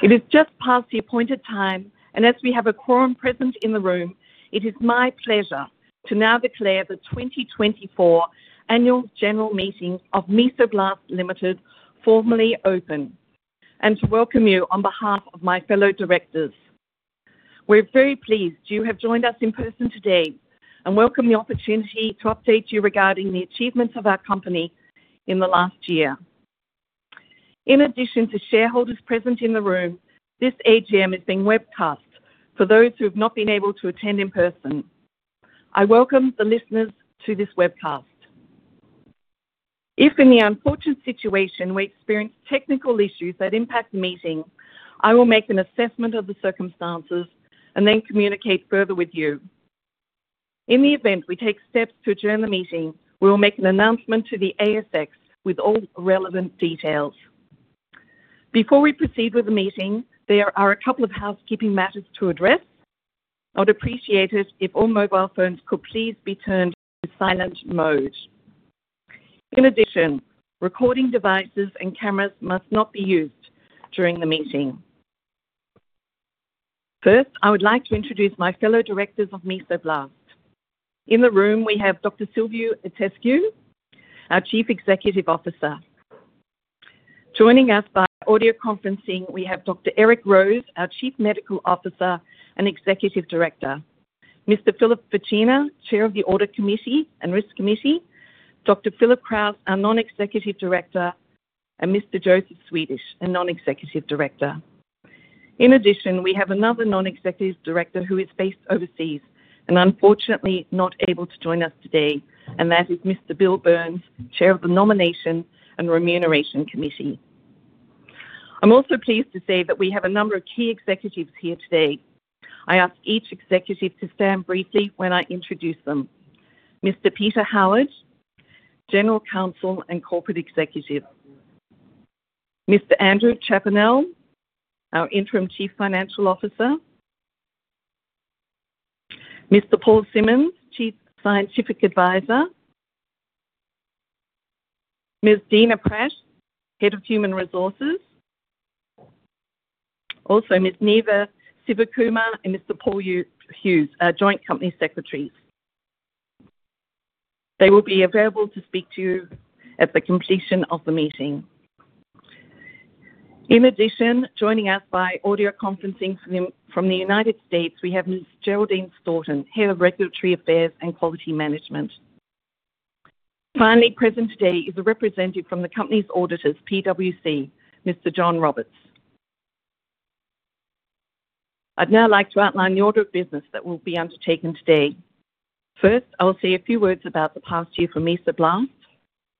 It is just past the appointed time, and as we have a quorum present in the room, it is my pleasure to now declare the 2024 Annual General Meeting of Mesoblast Limited formally open and to welcome you on behalf of my fellow directors. We're very pleased you have joined us in person today and welcome the opportunity to update you regarding the achievements of our company in the last year. In addition to shareholders present in the room, this AGM is being webcast for those who have not been able to attend in person. I welcome the listeners to this webcast. If in the unfortunate situation we experience technical issues that impact the meeting, I will make an assessment of the circumstances and then communicate further with you. In the event we take steps to adjourn the meeting, we will make an announcement to the ASX with all relevant details. Before we proceed with the meeting, there are a couple of housekeeping matters to address. I would appreciate it if all mobile phones could please be turned to silent mode. In addition, recording devices and cameras must not be used during the meeting. First, I would like to introduce my fellow directors of Mesoblast. In the room, we have Dr. Silviu Itescu, our Chief Executive Officer. Joining us by audio conferencing, we have Dr. Eric Rose, our Chief Medical Officer and Executive Director, Mr. Philip Facchina, Chair of the Audit Committee and Risk Committee, Dr. Philip Krause, our Non-Executive Director, and Mr. Joseph Swedish, a Non-Executive Director. In addition, we have another Non-Executive Director who is based overseas and unfortunately not able to join us today, and that is Mr. Bill Burns, Chair of the Nomination and Remuneration Committee. I'm also pleased to say that we have a number of key executives here today. I ask each executive to stand briefly when I introduce them: Mr. Peter Howard, General Counsel and Corporate Executive, Mr. Andrew Chaponnel, our Interim Chief Financial Officer, Mr. Paul Simmons, Chief Scientific Advisor, Ms. Dina Pratt, Head of Human Resources, also Ms. Niva Sivakumar and Mr. Paul Hughes, our Joint Company Secretaries. They will be available to speak to you at the completion of the meeting. In addition, joining us by audio conferencing from the United States, we have Ms. Geraldine Storton, Head of Regulatory Affairs and Quality Management. Finally present today is a representative from the Company's Auditors, PwC, Mr. John Roberts. I'd now like to outline the order of business that will be undertaken today. First, I will say a few words about the past year for Mesoblast.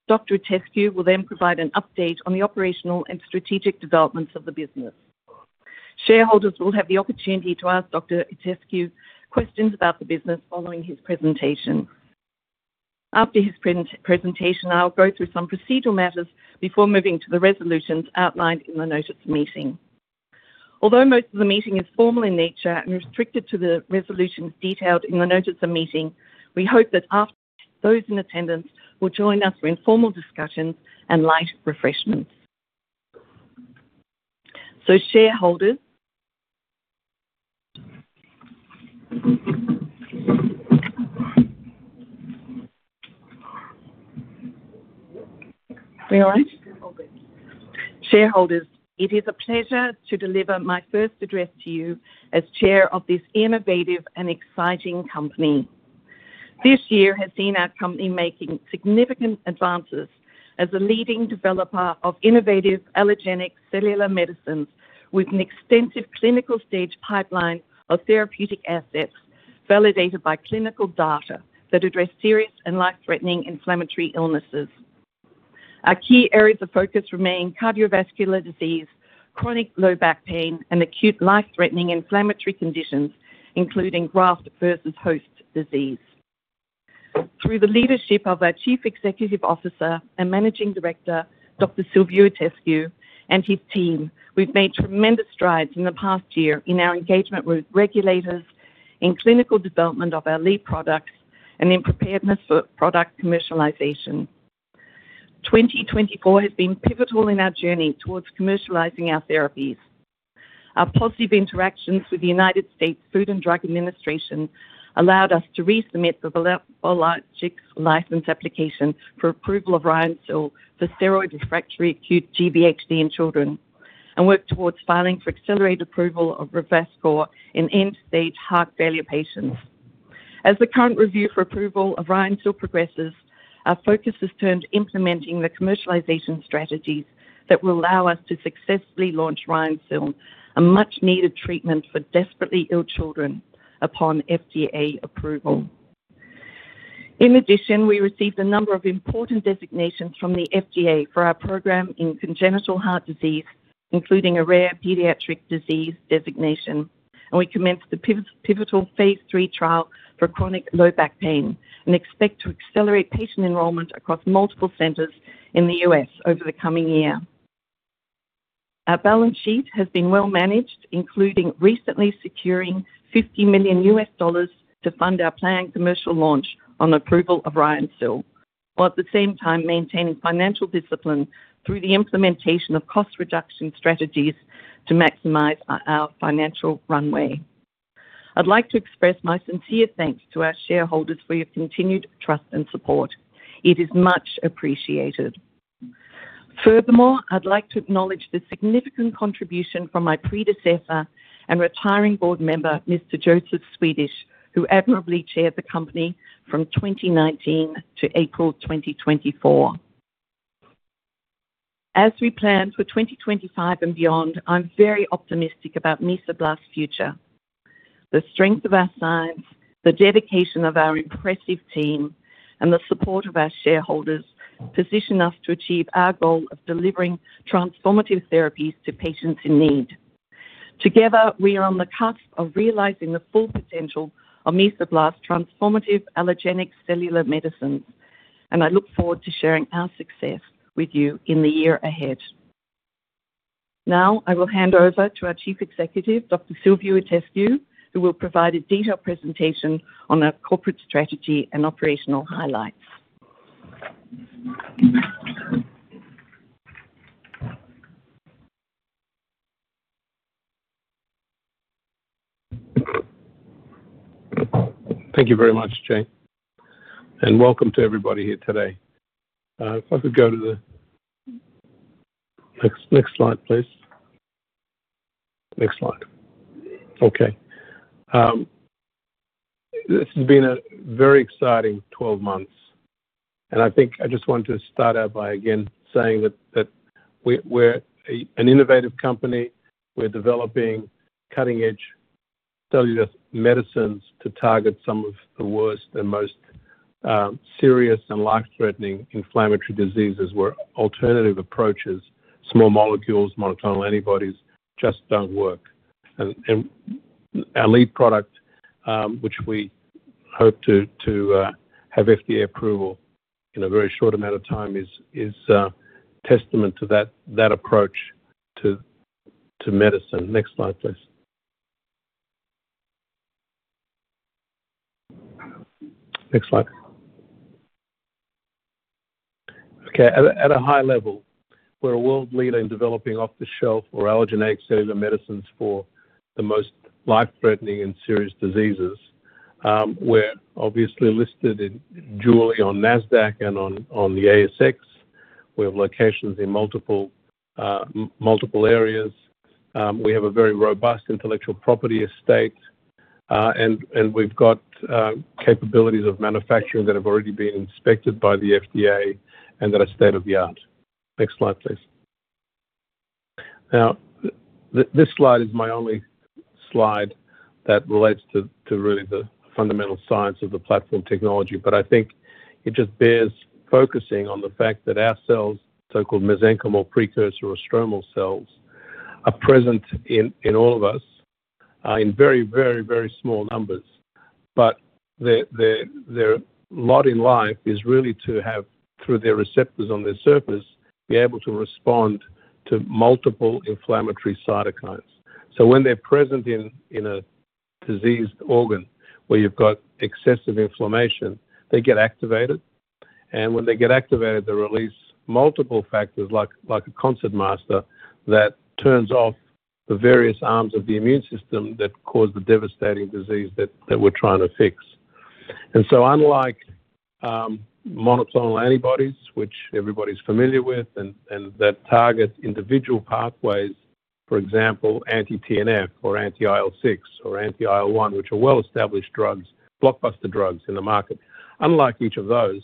Dr. Itescu will then provide an update on the operational and strategic developments of the business. Shareholders will have the opportunity to ask Dr. Itescu questions about the business following his presentation. After his presentation, I'll go through some procedural matters before moving to the resolutions outlined in the notice of meeting. Although most of the meeting is formal in nature and restricted to the resolutions detailed in the notice of meeting, we hope that after those in attendance will join us for informal discussions and light refreshments. So, shareholders. Shareholders, it is a pleasure to deliver my first address to you as Chair of this innovative and exciting company. This year has seen our company making significant advances as a leading developer of innovative allogeneic cellular medicines with an extensive clinical stage pipeline of therapeutic assets validated by clinical data that address serious and life-threatening inflammatory illnesses. Our key areas of focus remain cardiovascular disease, chronic low back pain, and acute life-threatening inflammatory conditions, including graft versus host disease. Through the leadership of our Chief Executive Officer and Managing Director, Dr. Silviu Itescu, and his team, we've made tremendous strides in the past year in our engagement with regulators in clinical development of our lead products and in preparedness for product commercialization. 2024 has been pivotal in our journey towards commercializing our therapies. Our positive interactions with the United States Food and Drug Administration allowed us to resubmit the Biologics License Application for approval of Ryoncil for steroid-refractory acute GVHD in children and work towards filing for accelerated approval of Revascor in end-stage heart failure patients. As the current review for approval of Ryoncil progresses, our focus has turned to implementing the commercialization strategies that will allow us to successfully launch Ryoncil, a much-needed treatment for desperately ill children, upon FDA approval. In addition, we received a number of important designations from the FDA for our program in congenital heart disease, including a Rare Pediatric Disease Designation, and we commenced the pivotal Phase III trial for chronic low back pain and expect to accelerate patient enrollment across multiple centers in the U.S. over the coming year. Our balance sheet has been well managed, including recently securing $50 million to fund our planned commercial launch on approval of Ryoncil, while at the same time maintaining financial discipline through the implementation of cost reduction strategies to maximize our financial runway. I'd like to express my sincere thanks to our shareholders for your continued trust and support. It is much appreciated. Furthermore, I'd like to acknowledge the significant contribution from my predecessor and retiring board member, Mr. Joseph Swedish, who admirably chaired the company from 2019 to April 2024. As we plan for 2025 and beyond, I'm very optimistic about Mesoblast's future. The strength of our science, the dedication of our impressive team, and the support of our shareholders position us to achieve our goal of delivering transformative therapies to patients in need. Together, we are on the cusp of realizing the full potential of Mesoblast's transformative allogeneic cellular medicines, and I look forward to sharing our success with you in the year ahead. Now, I will hand over to our Chief Executive, Dr. Silviu Itescu, who will provide a detailed presentation on our corporate strategy and operational highlights. Thank you very much, Jane, and welcome to everybody here today. If I could go to the next slide, please. Next slide. Okay. This has been a very exciting 12 months, and I think I just want to start out by, again, saying that we're an innovative company. We're developing cutting-edge cellular medicines to target some of the worst and most serious and life-threatening inflammatory diseases where alternative approaches, small molecules, monoclonal antibodies, just don't work, and our lead product, which we hope to have FDA approval in a very short amount of time, is testament to that approach to medicine. Next slide, please. Next slide. Okay. At a high level, we're a world leader in developing off-the-shelf or allogeneic cellular medicines for the most life-threatening and serious diseases. We're obviously listed dually on NASDAQ and on the ASX. We have locations in multiple areas. We have a very robust intellectual property estate, and we've got capabilities of manufacturing that have already been inspected by the FDA and that are state-of-the-art. Next slide, please. Now, this slide is my only slide that relates to really the fundamental science of the platform technology, but I think it just bears focusing on the fact that our cells, so-called mesenchymal precursor or stromal cells, are present in all of us in very, very, very small numbers. But their lot in life is really to have, through their receptors on their surface, be able to respond to multiple inflammatory cytokines. So when they're present in a diseased organ where you've got excessive inflammation, they get activated, and when they get activated, they release multiple factors like a concert master that turns off the various arms of the immune system that cause the devastating disease that we're trying to fix. And so unlike monoclonal antibodies, which everybody's familiar with and that target individual pathways, for example, anti-TNF or anti-IL-6 or anti-IL-1, which are well-established drugs, blockbuster drugs in the market, unlike each of those,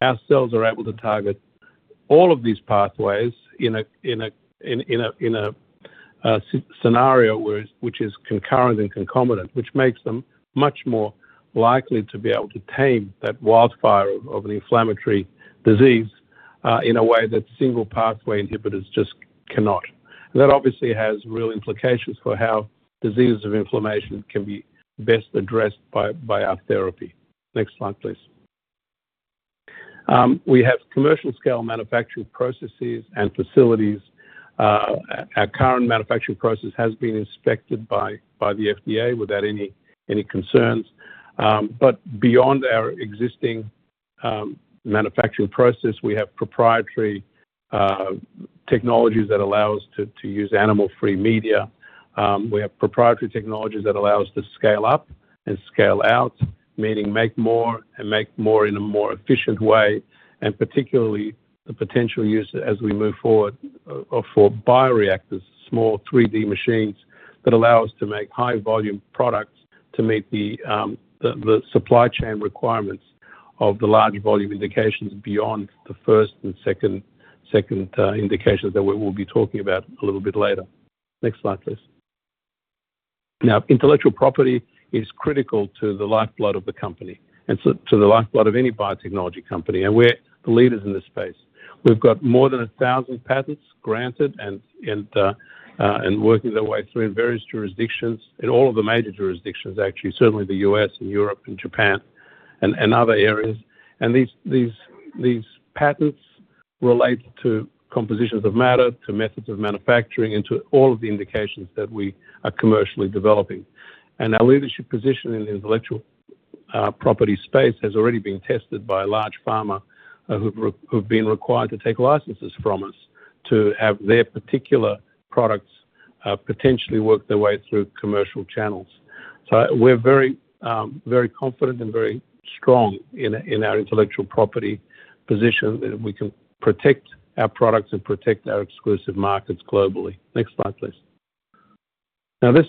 our cells are able to target all of these pathways in a scenario which is concurrent and concomitant, which makes them much more likely to be able to tame that wildfire of an inflammatory disease in a way that single pathway inhibitors just cannot. That obviously has real implications for how diseases of inflammation can be best addressed by our therapy. Next slide, please. We have commercial-scale manufacturing processes and facilities. Our current manufacturing process has been inspected by the FDA without any concerns. But beyond our existing manufacturing process, we have proprietary technologies that allow us to use animal-free media. We have proprietary technologies that allow us to scale up and scale out, meaning make more and make more in a more efficient way, and particularly the potential use as we move forward for bioreactors, small 3D machines that allow us to make high-volume products to meet the supply chain requirements of the large-volume indications beyond the first and second indications that we will be talking about a little bit later. Next slide, please. Now, intellectual property is critical to the lifeblood of the company and to the lifeblood of any biotechnology company, and we're the leaders in this space. We've got more than 1,000 patents granted and working their way through in various jurisdictions, in all of the major jurisdictions, actually, certainly the U.S. and Europe and Japan and other areas. These patents relate to compositions of matter, to methods of manufacturing, and to all of the indications that we are commercially developing. Our leadership position in the intellectual property space has already been tested by a large pharma who've been required to take licenses from us to have their particular products potentially work their way through commercial channels. We're very confident and very strong in our intellectual property position that we can protect our products and protect our exclusive markets globally. Next slide, please. Now, this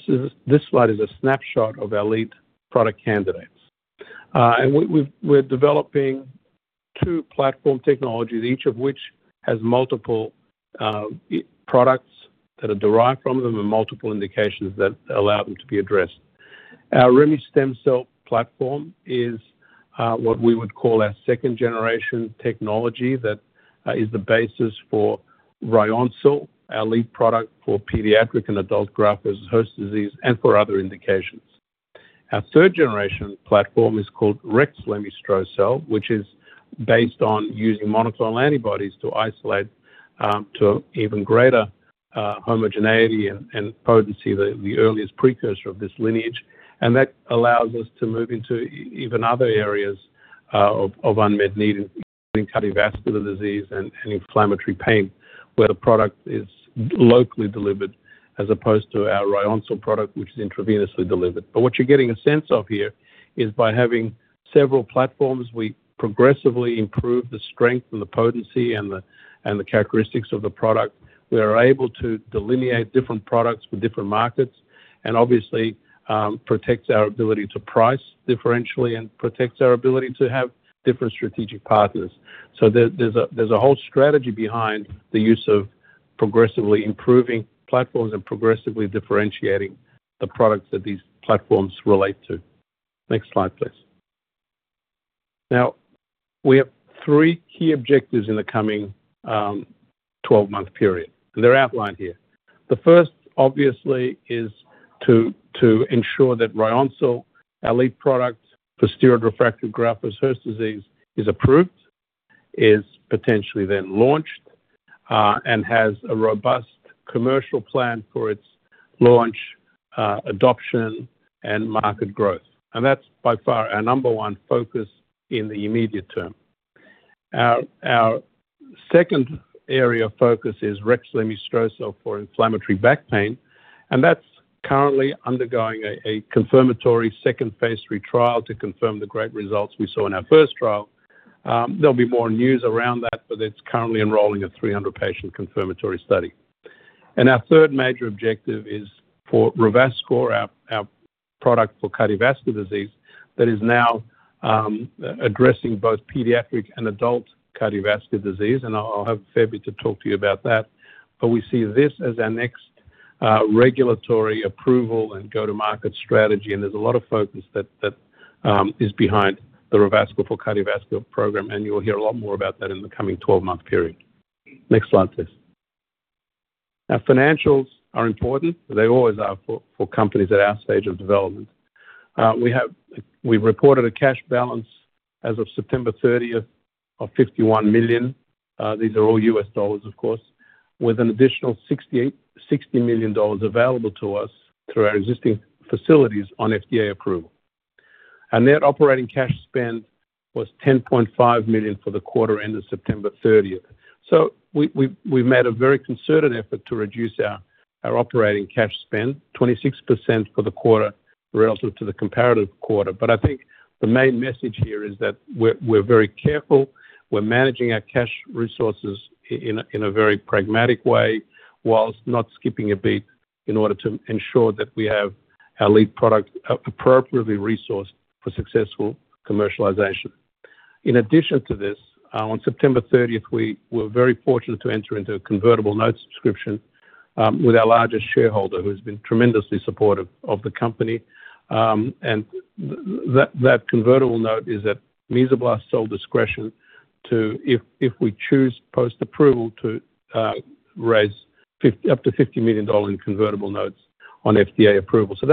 slide is a snapshot of our lead product candidates. We're developing two platform technologies, each of which has multiple products that are derived from them and multiple indications that allow them to be addressed. Our Remestemcel-L platform is what we would call our second-generation technology that is the basis for Ryoncil, our lead product for pediatric and adult graft versus host disease and for other indications. Our third-generation platform is called Rexlemestrocel-L, which is based on using monoclonal antibodies to isolate to even greater homogeneity and potency, the earliest precursor of this lineage, and that allows us to move into even other areas of unmet need, including cardiovascular disease and inflammatory pain, where the product is locally delivered as opposed to our Ryoncil product, which is intravenously delivered. But what you're getting a sense of here is by having several platforms, we progressively improve the strength and the potency and the characteristics of the product. We are able to delineate different products for different markets and obviously protect our ability to price differentially and protect our ability to have different strategic partners. So there's a whole strategy behind the use of progressively improving platforms and progressively differentiating the products that these platforms relate to. Next slide, please. Now, we have three key objectives in the coming 12-month period, and they're outlined here. The first, obviously, is to ensure that Ryoncil, our lead product for steroid-refractory graft versus host disease, is approved, is potentially then launched, and has a robust commercial plan for its launch, adoption, and market growth, and that's, by far, our number one focus in the immediate term. Our second area of focus is Rexlemestrocel-L for inflammatory back pain, and that's currently undergoing a confirmatory second Phase III trial to confirm the great results we saw in our first trial. There'll be more news around that, but it's currently enrolling a 300-patient confirmatory study. And our third major objective is for Revascor, our product for cardiovascular disease that is now addressing both pediatric and adult cardiovascular disease, and I'll have Fabio to talk to you about that. But we see this as our next regulatory approval and go-to-market strategy, and there's a lot of focus that is behind the Revascor for cardiovascular program, and you'll hear a lot more about that in the coming 12-month period. Next slide, please. Now, financials are important. They always are for companies at our stage of development. We reported a cash balance as of September 30th of $51 million. These are all US dollars, of course, with an additional $60 million available to us through our existing facilities on FDA approval. Our net operating cash spend was $10.5 million for the quarter end of September 30th. So we've made a very concerted effort to reduce our operating cash spend, 26% for the quarter relative to the comparative quarter. But I think the main message here is that we're very careful. We're managing our cash resources in a very pragmatic way whilst not skipping a beat in order to ensure that we have our lead product appropriately resourced for successful commercialization. In addition to this, on September 30th, we were very fortunate to enter into a convertible note subscription with our largest shareholder who has been tremendously supportive of the company. And that convertible note is at Mesoblast's sole discretion if we choose post-approval to raise up to $50 million in convertible notes on FDA approval. So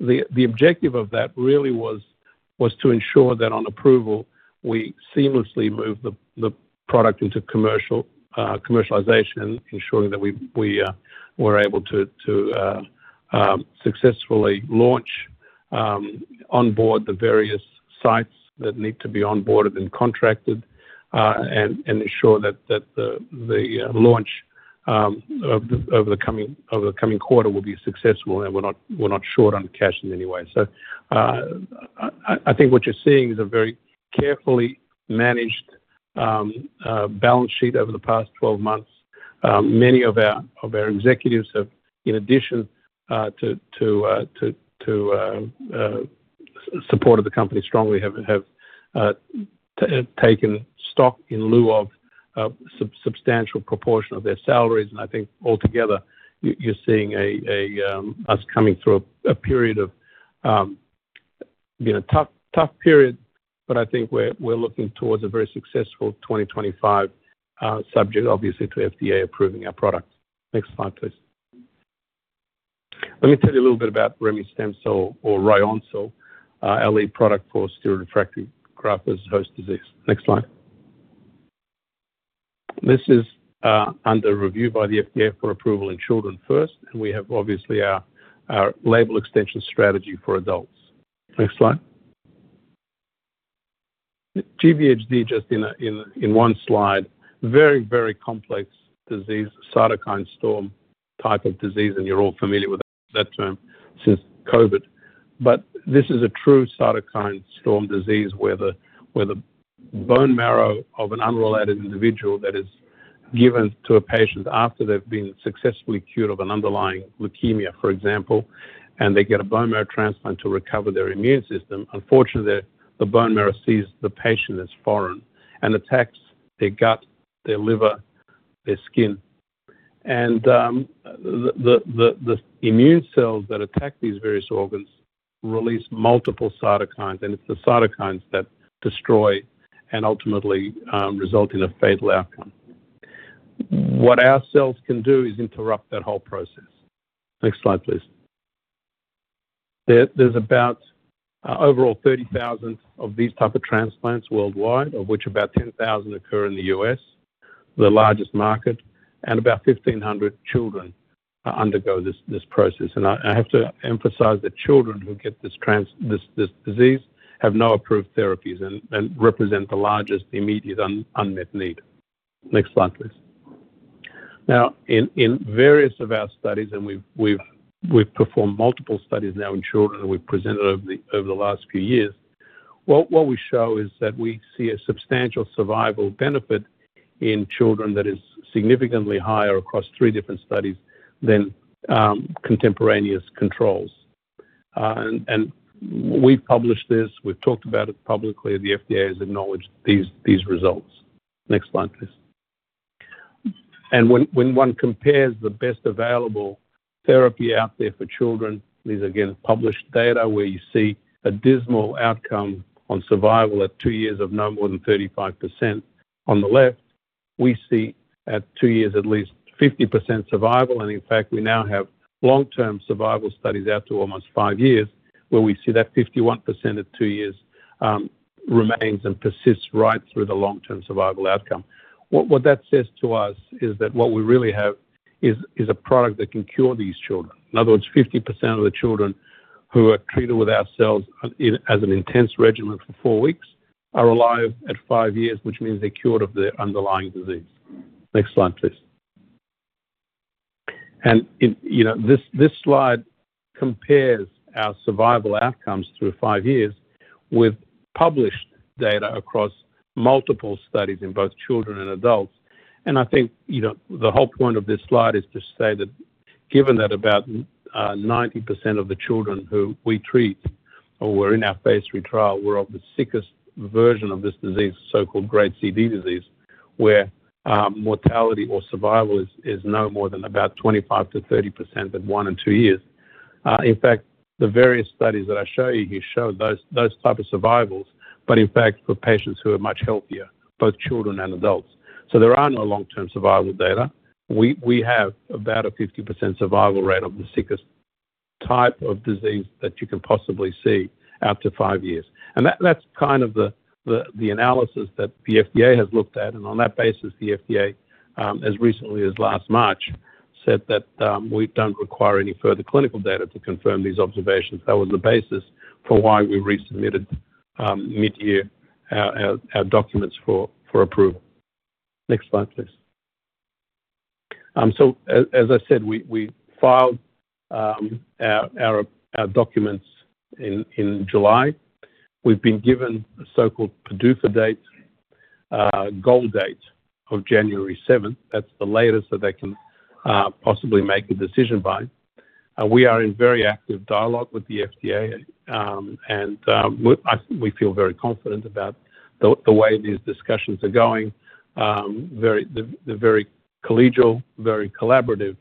the objective of that really was to ensure that on approval, we seamlessly move the product into commercialization, ensuring that we were able to successfully launch, onboard the various sites that need to be onboarded and contracted, and ensure that the launch over the coming quarter will be successful, and we're not short on cash in any way. So I think what you're seeing is a very carefully managed balance sheet over the past 12 months. Many of our executives have, in addition to supporting the company strongly, taken stock in lieu of a substantial proportion of their salaries. And I think altogether, you're seeing us coming through a period of being a tough period, but I think we're looking towards a very successful 2025, subject, obviously, to FDA approving our product. Next slide, please. Let me tell you a little bit about Remestemcel-L or Ryoncil, our lead product for steroid-refractory graft versus host disease. Next slide. This is under review by the FDA for approval in children first, and we have obviously our label extension strategy for adults. Next slide. GVHD, just in one slide, very, very complex disease, cytokine storm type of disease, and you're all familiar with that term since COVID. But this is a true cytokine storm disease where the bone marrow of an unrelated individual that is given to a patient after they've been successfully cured of an underlying leukemia, for example, and they get a bone marrow transplant to recover their immune system. Unfortunately, the bone marrow sees the patient as foreign and attacks their gut, their liver, their skin. The immune cells that attack these various organs release multiple cytokines, and it's the cytokines that destroy and ultimately result in a fatal outcome. What our cells can do is interrupt that whole process. Next slide, please. There's about overall 30,000 of these types of transplants worldwide, of which about 10,000 occur in the U.S., the largest market, and about 1,500 children undergo this process. I have to emphasize that children who get this disease have no approved therapies and represent the largest immediate unmet need. Next slide, please. Now, in various of our studies, and we've performed multiple studies now in children that we've presented over the last few years, what we show is that we see a substantial survival benefit in children that is significantly higher across three different studies than contemporaneous controls. We've published this. We've talked about it publicly. The FDA has acknowledged these results. Next slide, please. When one compares the best available therapy out there for children, these are again published data where you see a dismal outcome on survival at two years of no more than 35%. On the left, we see at two years at least 50% survival, and in fact, we now have long-term survival studies out to almost five years where we see that 51% at two years remains and persists right through the long-term survival outcome. What that says to us is that what we really have is a product that can cure these children. In other words, 50% of the children who are treated with our cells as an intense regimen for four weeks are alive at five years, which means they're cured of their underlying disease. Next slide, please. This slide compares our survival outcomes through five years with published data across multiple studies in both children and adults. I think the whole point of this slide is to say that given that about 90% of the children who we treat or were in our Phase III trial were of the sickest version of this disease, so-called grade C/D disease, where mortality or survival is no more than about 25%-30% at one and two years. In fact, the various studies that I show you here show those types of survivals, but in fact, for patients who are much healthier, both children and adults. There are no long-term survival data. We have about a 50% survival rate of the sickest type of disease that you can possibly see out to five years. That's kind of the analysis that the FDA has looked at, and on that basis, the FDA as recently as last March said that we don't require any further clinical data to confirm these observations. That was the basis for why we resubmitted mid-year our documents for approval. Next slide, please. As I said, we filed our documents in July. We've been given a so-called PDUFA date, goal date of January 7th. That's the latest that they can possibly make a decision by. We are in very active dialogue with the FDA, and we feel very confident about the way these discussions are going. They're very collegial, very collaborative.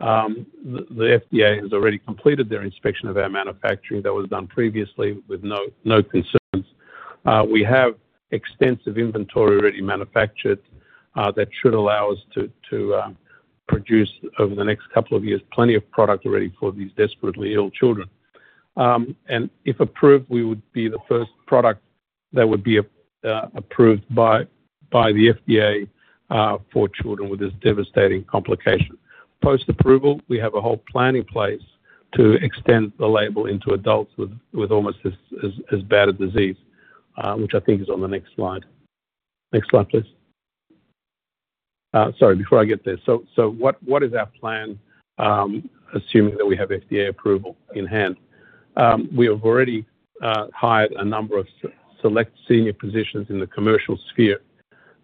The FDA has already completed their inspection of our manufacturing that was done previously with no concerns. We have extensive inventory already manufactured that should allow us to produce over the next couple of years plenty of product already for these desperately ill children. And if approved, we would be the first product that would be approved by the FDA for children with this devastating complication. Post-approval, we have a whole plan in place to extend the label into adults with almost as bad a disease, which I think is on the next slide. Next slide, please. Sorry, before I get there. So what is our plan, assuming that we have FDA approval in hand? We have already hired a number of select senior positions in the commercial sphere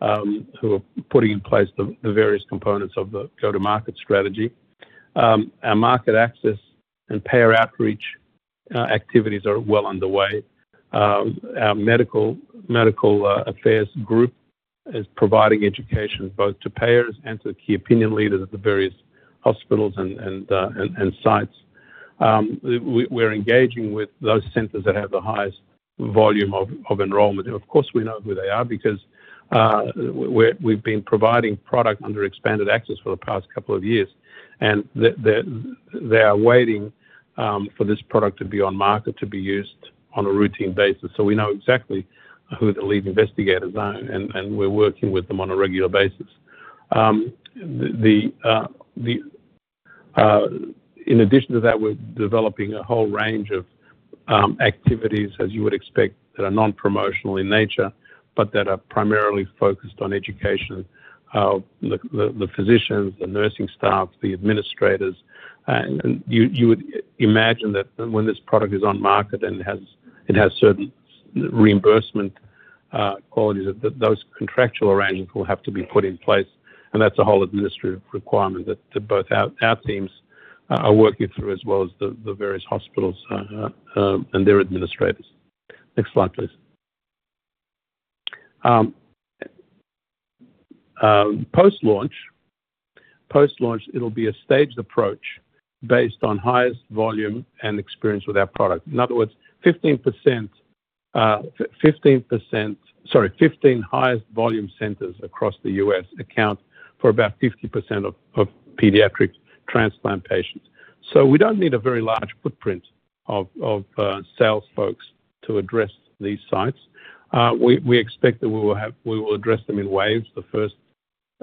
who are putting in place the various components of the go-to-market strategy. Our Market Access and Payer Outreach activities are well underway. Our Medical Affairs group is providing education both to payers and to key opinion leaders at the various hospitals and sites. We're engaging with those centers that have the highest volume of enrollment, and of course, we know who they are because we've been providing product under expanded access for the past couple of years, and they are waiting for this product to be on market to be used on a routine basis, so we know exactly who the lead investigators are, and we're working with them on a regular basis. In addition to that, we're developing a whole range of activities, as you would expect, that are non-promotional in nature, but that are primarily focused on education of the physicians, the nursing staff, the administrators. You would imagine that when this product is on market and it has certain reimbursement qualities, that those contractual arrangements will have to be put in place. That's a whole administrative requirement that both our teams are working through as well as the various hospitals and their administrators. Next slide, please. Post-launch, it'll be a staged approach based on highest volume and experience with our product. In other words, 15% sorry, 15 highest volume centers across the U.S. account for about 50% of pediatric transplant patients. We don't need a very large footprint of sales folks to address these sites. We expect that we will address them in waves, the first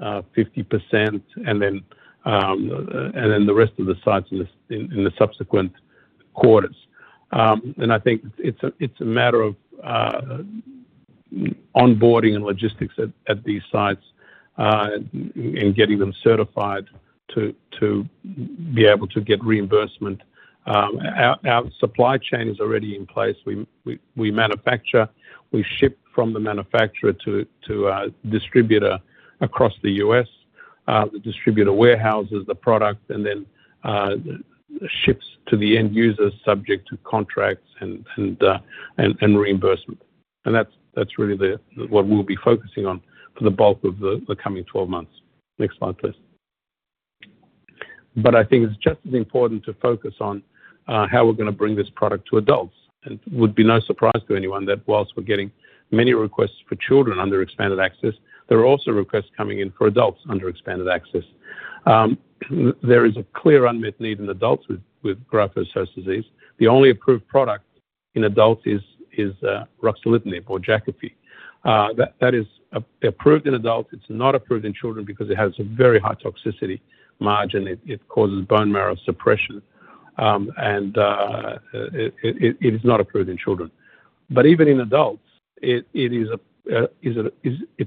50%, and then the rest of the sites in the subsequent quarters. I think it's a matter of onboarding and logistics at these sites and getting them certified to be able to get reimbursement. Our supply chain is already in place. We manufacture. We ship from the manufacturer to our distributor across the U.S., the distributor warehouses the product, and then ships to the end user, subject to contracts and reimbursement. And that's really what we'll be focusing on for the bulk of the coming 12 months. Next slide, please. But I think it's just as important to focus on how we're going to bring this product to adults. And it would be no surprise to anyone that whilst we're getting many requests for children under expanded access, there are also requests coming in for adults under expanded access. There is a clear unmet need in adults with graft versus host disease. The only approved product in adults is ruxolitinib or Jakafi. That is approved in adults. It's not approved in children because it has a very high toxicity margin. It causes bone marrow suppression, and it is not approved in children. But even in adults, it's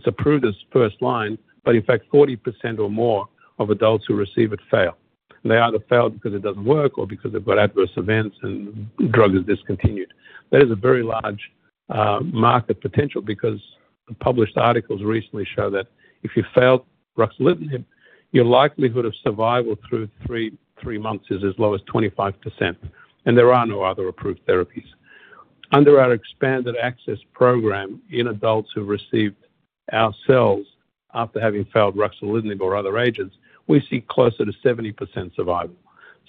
approved as first line, but in fact, 40% or more of adults who receive it fail. They either fail because it doesn't work or because they've got adverse events and drug is discontinued. That is a very large market potential because published articles recently show that if you fail ruxolitinib, your likelihood of survival through three months is as low as 25%. And there are no other approved therapies. Under our expanded access program in adults who've received our cells after having failed ruxolitinib or other agents, we see closer to 70% survival.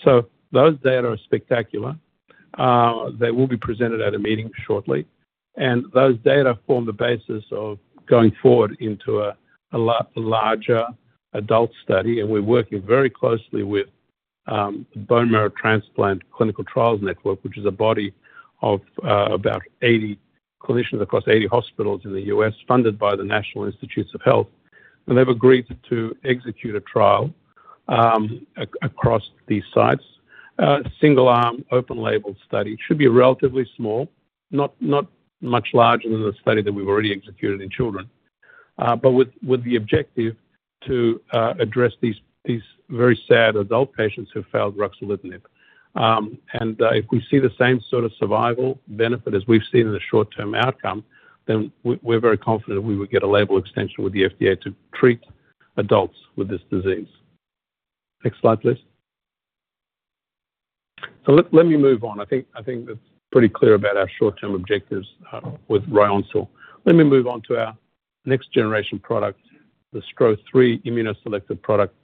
So those data are spectacular. They will be presented at a meeting shortly. And those data form the basis of going forward into a larger adult study. We're working very closely with the Bone Marrow Transplant Clinical Trials Network, which is a body of about 80 clinicians across 80 hospitals in the U.S., funded by the National Institutes of Health. They've agreed to execute a trial across these sites. Single-arm open-label study should be relatively small, not much larger than the study that we've already executed in children, but with the objective to address these very sad adult patients who failed ruxolitinib. If we see the same sort of survival benefit as we've seen in the short-term outcome, then we're very confident we would get a label extension with the FDA to treat adults with this disease. Next slide, please. Let me move on. I think that's pretty clear about our short-term objectives with Ryoncil. Let me move on to our next generation product, the STRO-3 immunoselective product,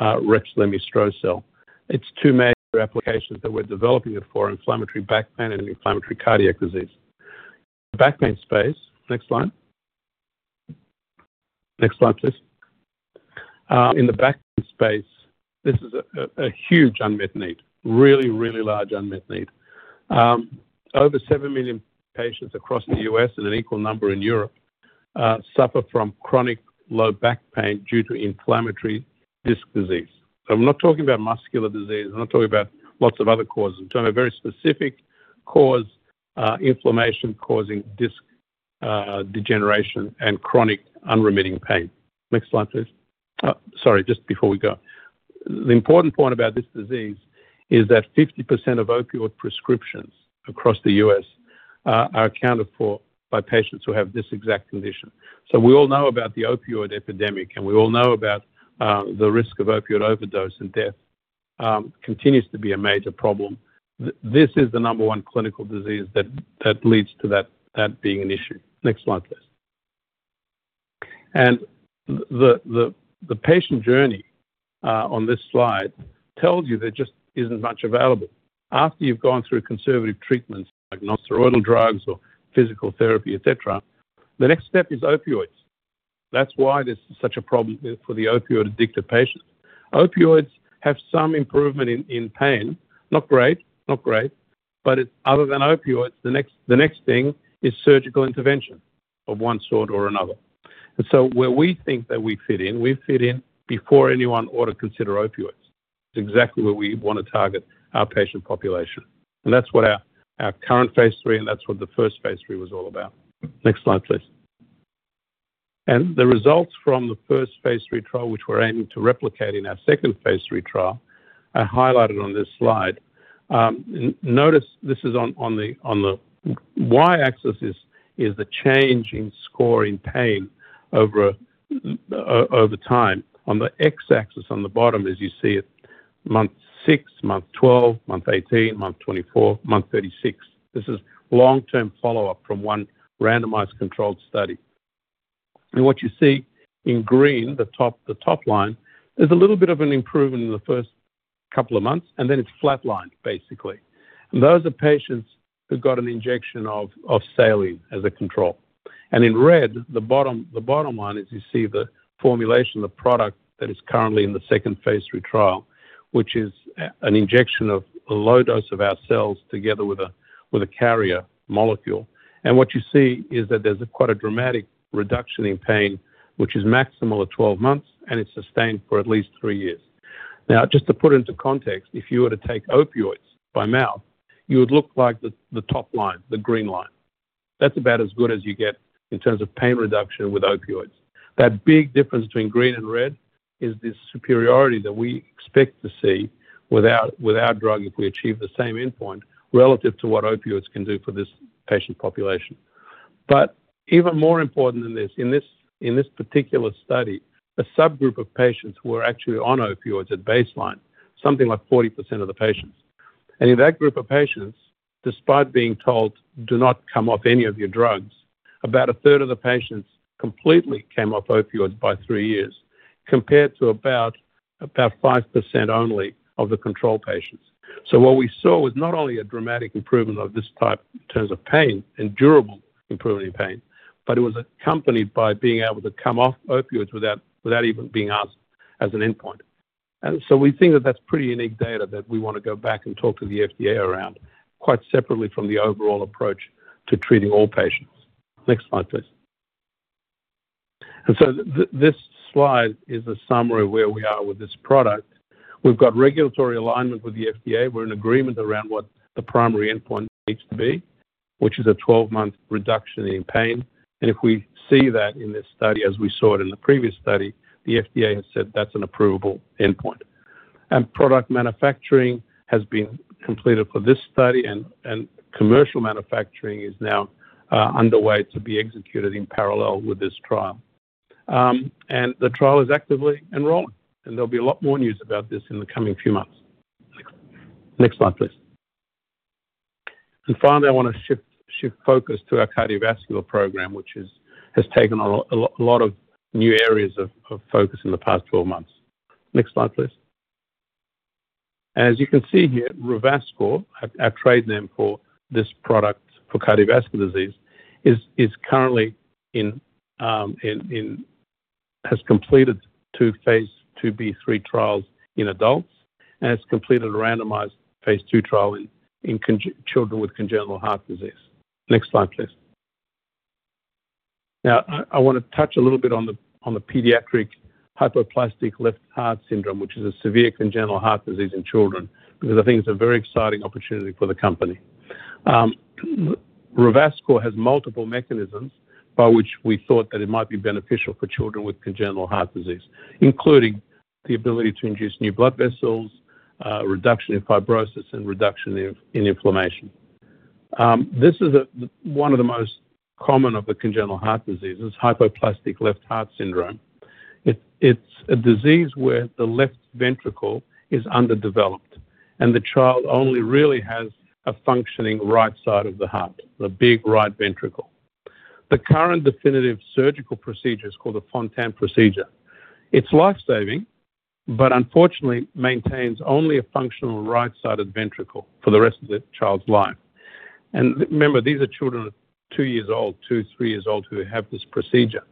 Rexlemestrocel-L. It's two major applications that we're developing for inflammatory back pain and inflammatory cardiac disease. In the back pain space. Next slide. Next slide, please. In the back pain space, this is a huge unmet need, really, really large unmet need. Over seven million patients across the U.S. and an equal number in Europe suffer from chronic low back pain due to inflammatory disc disease. So I'm not talking about muscular disease. I'm not talking about lots of other causes. It's a very specific cause, inflammation causing disc degeneration and chronic unremitting pain. Next slide, please. Sorry, just before we go. The important point about this disease is that 50% of opioid prescriptions across the U.S. are accounted for by patients who have this exact condition. We all know about the opioid epidemic, and we all know about the risk of opioid overdose and death continues to be a major problem. This is the number one clinical disease that leads to that being an issue. Next slide, please. The patient journey on this slide tells you there just isn't much available. After you've gone through conservative treatments like nonsteroidal drugs or physical therapy, etc., the next step is opioids. That's why there's such a problem for the opioid addicted patients. Opioids have some improvement in pain. Not great. Not great. But other than opioids, the next thing is surgical intervention of one sort or another. Where we think that we fit in, we fit in before anyone ought to consider opioids. It's exactly where we want to target our patient population. That's what our current Phase III and that's what the first Phase III was all about. Next slide, please. The results from the first Phase III trial, which we're aiming to replicate in our second Phase III trial, are highlighted on this slide. Notice, this is on the Y axis: the change in score in pain over time. On the X axis on the bottom, as you see it: month 6, month 12, month 18, month 24, month 36. This is long-term follow-up from one randomized controlled study. What you see in green, the top line, there's a little bit of an improvement in the first couple of months, and then it's flatlined, basically. Those are patients who got an injection of saline as a control. In red, the bottom line is you see the formulation of the product that is currently in the second Phase III trial, which is an injection of a low dose of our cells together with a carrier molecule. What you see is that there's quite a dramatic reduction in pain, which is maximal at 12 months, and it's sustained for at least three years. Now, just to put into context, if you were to take opioids by mouth, you would look like the top line, the green line. That's about as good as you get in terms of pain reduction with opioids. That big difference between green and red is the superiority that we expect to see with our drug if we achieve the same endpoint relative to what opioids can do for this patient population. But even more important than this, in this particular study, a subgroup of patients who were actually on opioids at baseline, something like 40% of the patients. And in that group of patients, despite being told, "Do not come off any of your drugs," about a third of the patients completely came off opioids by three years, compared to about 5% only of the control patients. So what we saw was not only a dramatic improvement of this type in terms of pain and durable improvement in pain, but it was accompanied by being able to come off opioids without even being asked as an endpoint. And so we think that that's pretty unique data that we want to go back and talk to the FDA around, quite separately from the overall approach to treating all patients. Next slide, please. And so this slide is a summary of where we are with this product. We've got regulatory alignment with the FDA. We're in agreement around what the primary endpoint needs to be, which is a 12-month reduction in pain. And if we see that in this study, as we saw it in the previous study, the FDA has said that's an approvable endpoint. And product manufacturing has been completed for this study, and commercial manufacturing is now underway to be executed in parallel with this trial. And the trial is actively enrolling. And there'll be a lot more news about this in the coming few months. Next slide, please. And finally, I want to shift focus to our cardiovascular program, which has taken on a lot of new areas of focus in the past 12 months. Next slide, please. As you can see here, Revascor, our trade name for this product for cardiovascular disease, has completed two Phase IIb/III trials in adults and has completed a randomized Phase II trial in children with congenital heart disease. Next slide, please. Now, I want to touch a little bit on the pediatric hypoplastic left heart syndrome, which is a severe congenital heart disease in children, because I think it's a very exciting opportunity for the company. Revascor has multiple mechanisms by which we thought that it might be beneficial for children with congenital heart disease, including the ability to induce new blood vessels, reduction in fibrosis, and reduction in inflammation. This is one of the most common of the congenital heart diseases, hypoplastic left heart syndrome. It's a disease where the left ventricle is underdeveloped, and the child only really has a functioning right side of the heart, the big right ventricle. The current definitive surgical procedure is called the Fontan procedure. It's lifesaving, but unfortunately maintains only a functional right-sided ventricle for the rest of the child's life. And remember, these are children of two years old, two, three years old who have this procedure.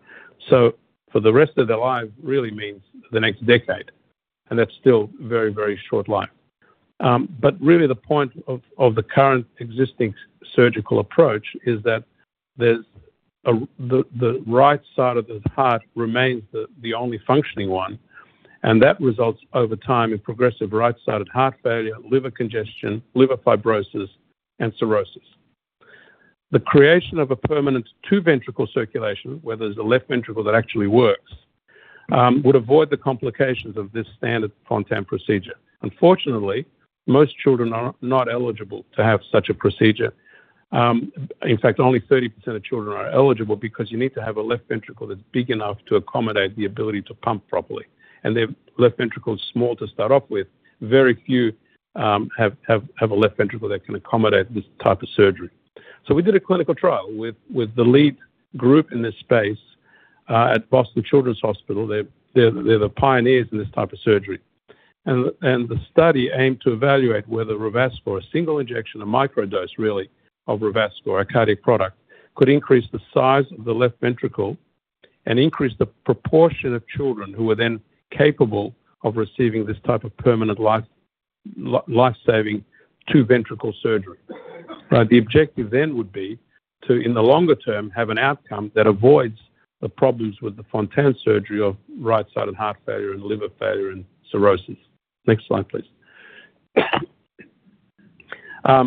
So for the rest of their life really means the next decade, and that's still very, very short life. But really, the point of the current existing surgical approach is that the right side of the heart remains the only functioning one, and that results over time in progressive right-sided heart failure, liver congestion, liver fibrosis, and cirrhosis. The creation of a permanent two-ventricle circulation, where there's a left ventricle that actually works, would avoid the complications of this standard Fontan procedure. Unfortunately, most children are not eligible to have such a procedure. In fact, only 30% of children are eligible because you need to have a left ventricle that's big enough to accommodate the ability to pump properly. And their left ventricle is small to start off with. Very few have a left ventricle that can accommodate this type of surgery. So we did a clinical trial with the lead group in this space at Boston Children's Hospital. They're the pioneers in this type of surgery. The study aimed to evaluate whether Revascor, a single injection, a micro dose really of Revascor, a cardiac product, could increase the size of the left ventricle and increase the proportion of children who were then capable of receiving this type of permanent lifesaving two-ventricle surgery. The objective then would be to, in the longer term, have an outcome that avoids the problems with the Fontan surgery of right-sided heart failure and liver failure and cirrhosis. Next slide, please.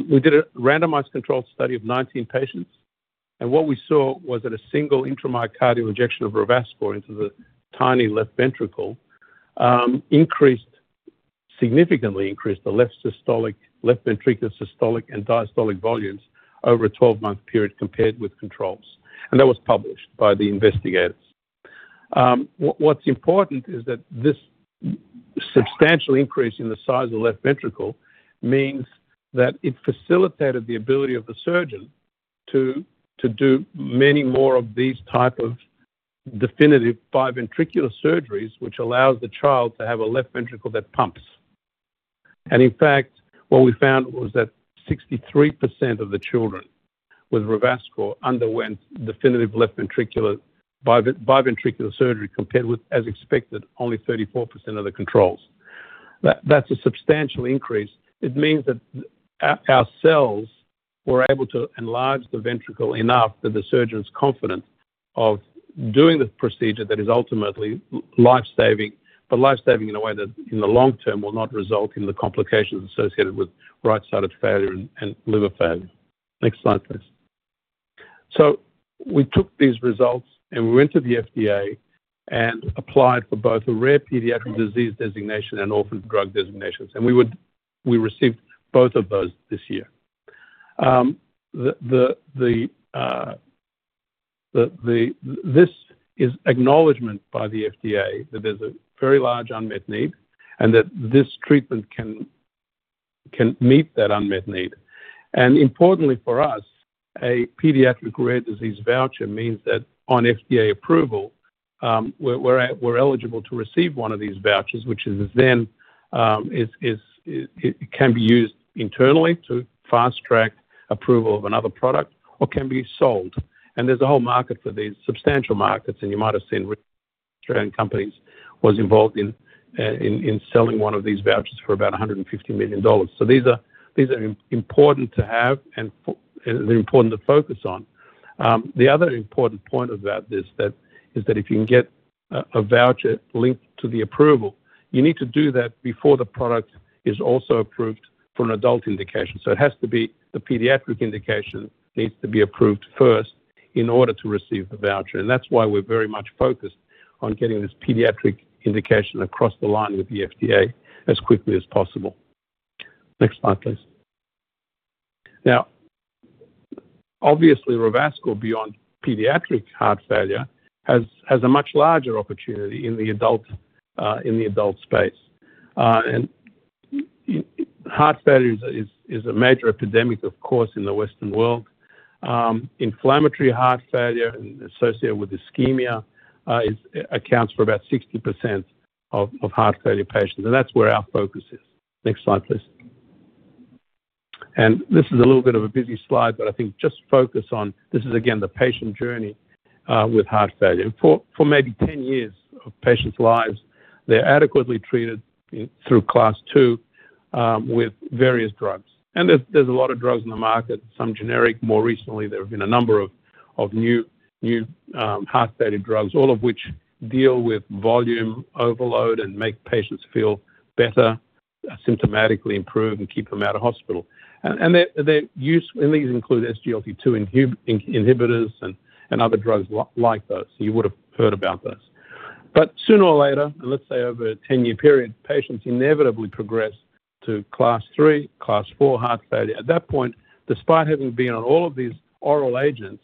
We did a randomized controlled study of 19 patients, and what we saw was that a single intramyocardial injection of Revascor into the tiny left ventricle significantly increased the left ventricular systolic and diastolic volumes over a 12-month period compared with controls. That was published by the investigators. What's important is that this substantial increase in the size of the left ventricle means that it facilitated the ability of the surgeon to do many more of these types of definitive biventricular surgeries, which allows the child to have a left ventricle that pumps. In fact, what we found was that 63% of the children with Revascor underwent definitive biventricular surgery compared with, as expected, only 34% of the controls. That's a substantial increase. It means that our cells were able to enlarge the ventricle enough that the surgeon's confident of doing the procedure that is ultimately lifesaving, but lifesaving in a way that in the long term will not result in the complications associated with right-sided failure and liver failure. Next slide, please. We took these results, and we went to the FDA and applied for both a Rare Pediatric Disease Designation and Orphan Drug Designations. We received both of those this year. This is acknowledgment by the FDA that there's a very large unmet need and that this treatment can meet that unmet need. And importantly for us, a pediatric rare disease voucher means that on FDA approval, we're eligible to receive one of these vouchers, which then can be used internally to fast-track approval of another product or can be sold. And there's a whole market for these, substantial markets, and you might have seen Australian companies were involved in selling one of these vouchers for about $150 million. So these are important to have, and they're important to focus on. The other important point about this is that if you can get a voucher linked to the approval, you need to do that before the product is also approved for an adult indication. So it has to be the pediatric indication needs to be approved first in order to receive the voucher. And that's why we're very much focused on getting this pediatric indication across the line with the FDA as quickly as possible. Next slide, please. Now, obviously, Revascor, beyond pediatric heart failure, has a much larger opportunity in the adult space. And heart failure is a major epidemic, of course, in the Western world. Inflammatory heart failure associated with ischemia accounts for about 60% of heart failure patients. And that's where our focus is. Next slide, please. And this is a little bit of a busy slide, but I think just focus on this is, again, the patient journey with heart failure. And for maybe 10 years of patients' lives, they're adequately treated through Class II with various drugs. And there's a lot of drugs on the market, some generic. More recently, there have been a number of new heart failure drugs, all of which deal with volume overload and make patients feel better, symptomatically improve, and keep them out of hospital, and these include SGLT2 inhibitors and other drugs like those, so you would have heard about those, but sooner or later, and let's say over a 10-year period, patients inevitably progress to Class III, Class IV heart failure. At that point, despite having been on all of these oral agents,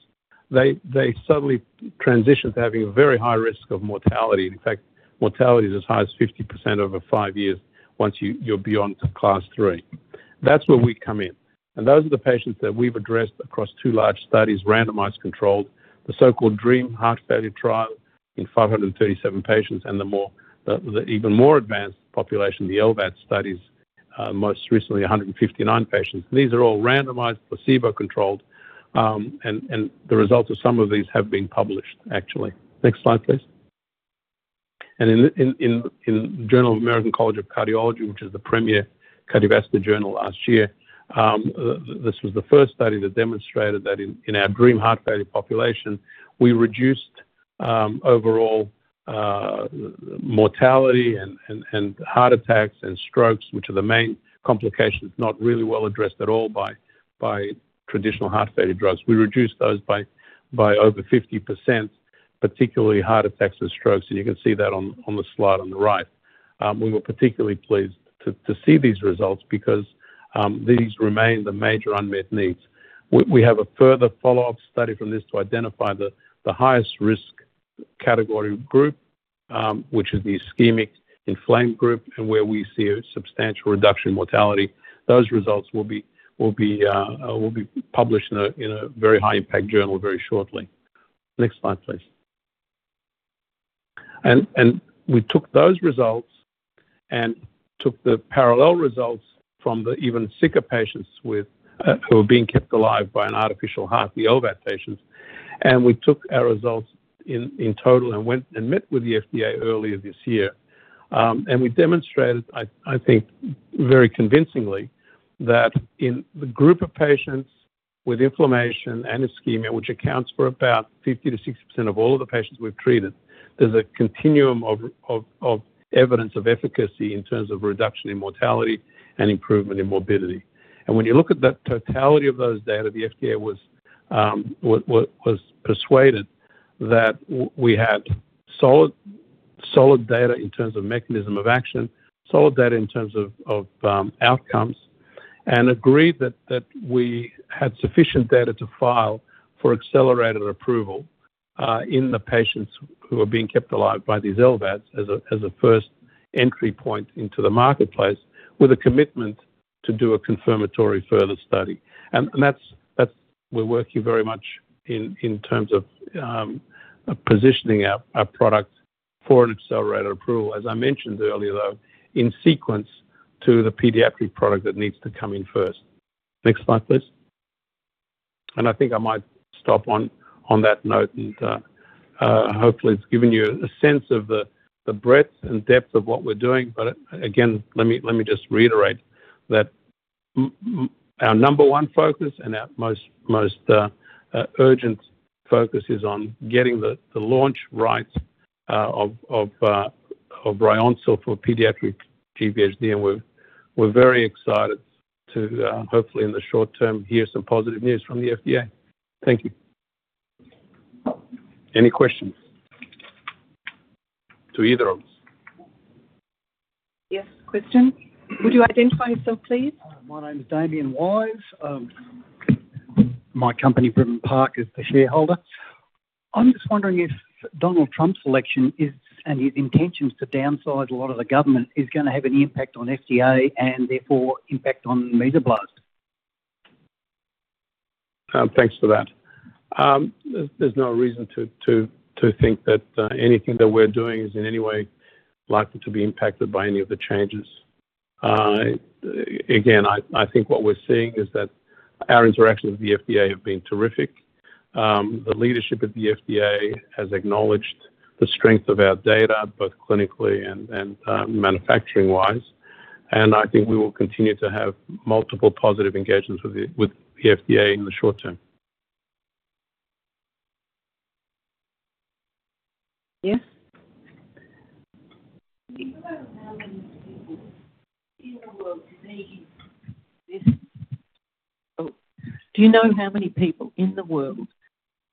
they suddenly transition to having a very high risk of mortality. In fact, mortality is as high as 50% over five years once you're beyond Class III. That's where we come in, and those are the patients that we've addressed across two large studies, randomized controlled, the so-called DREAM Heart Failure trial in 537 patients, and the even more advanced population, the LVAD studies, most recently 159 patients. These are all randomized, placebo-controlled, and the results of some of these have been published, actually. Next slide, please. And in the Journal of the American College of Cardiology, which is the premier cardiovascular journal last year, this was the first study that demonstrated that in our DREAM Heart Failure population, we reduced overall mortality and heart attacks and strokes, which are the main complications, not really well addressed at all by traditional heart failure drugs. We reduced those by over 50%, particularly heart attacks and strokes. And you can see that on the slide on the right. We were particularly pleased to see these results because these remain the major unmet needs. We have a further follow-up study from this to identify the highest risk category group, which is the ischemic inflamed group, and where we see a substantial reduction in mortality. Those results will be published in a very high-impact journal very shortly. Next slide, please. And we took those results and took the parallel results from the even sicker patients who were being kept alive by an artificial heart, the LVAD patients. And we took our results in total and met with the FDA earlier this year. And we demonstrated, I think, very convincingly that in the group of patients with inflammation and ischemia, which accounts for about 50%-60% of all of the patients we've treated, there's a continuum of evidence of efficacy in terms of reduction in mortality and improvement in morbidity. And when you look at the totality of those data, the FDA was persuaded that we had solid data in terms of mechanism of action, solid data in terms of outcomes, and agreed that we had sufficient data to file for accelerated approval in the patients who were being kept alive by these LVADs as a first entry point into the marketplace with a commitment to do a confirmatory further study. And that's where we're working very much in terms of positioning our product for an accelerated approval. As I mentioned earlier, though, in sequence to the pediatric product that needs to come in first. Next slide, please. And I think I might stop on that note, and hopefully, it's given you a sense of the breadth and depth of what we're doing. But again, let me just reiterate that our number one focus and our most urgent focus is on getting the launch right of Ryoncil for pediatric GVHD. And we're very excited to, hopefully, in the short term, hear some positive news from the FDA. Thank you. Any questions to either of us? Yes, Christian, would you identify yourself, please? My name is Damien Wise. My company, Bramin Park, is the shareholder. I'm just wondering if Donald Trump's election and his intentions to downsize a lot of the government is going to have an impact on FDA and therefore impact on Mesoblast? Thanks for that. There's no reason to think that anything that we're doing is in any way likely to be impacted by any of the changes. Again, I think what we're seeing is that our interactions with the FDA have been terrific. The leadership at the FDA has acknowledged the strength of our data, both clinically and manufacturing-wise, and I think we will continue to have multiple positive engagements with the FDA in the short term. Yes. Do you know how many people in the world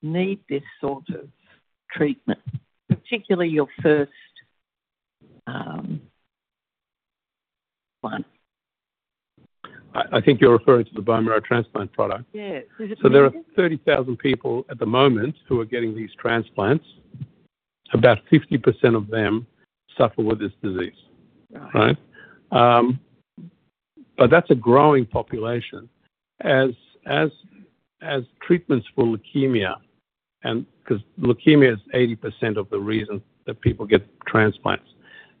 need this sort of treatment, particularly your first one? I think you're referring to the bone marrow transplant product. So there are 30,000 people at the moment who are getting these transplants. About 50% of them suffer with this disease, right, but that's a growing population. As treatments for leukemia, because leukemia is 80% of the reason that people get transplants,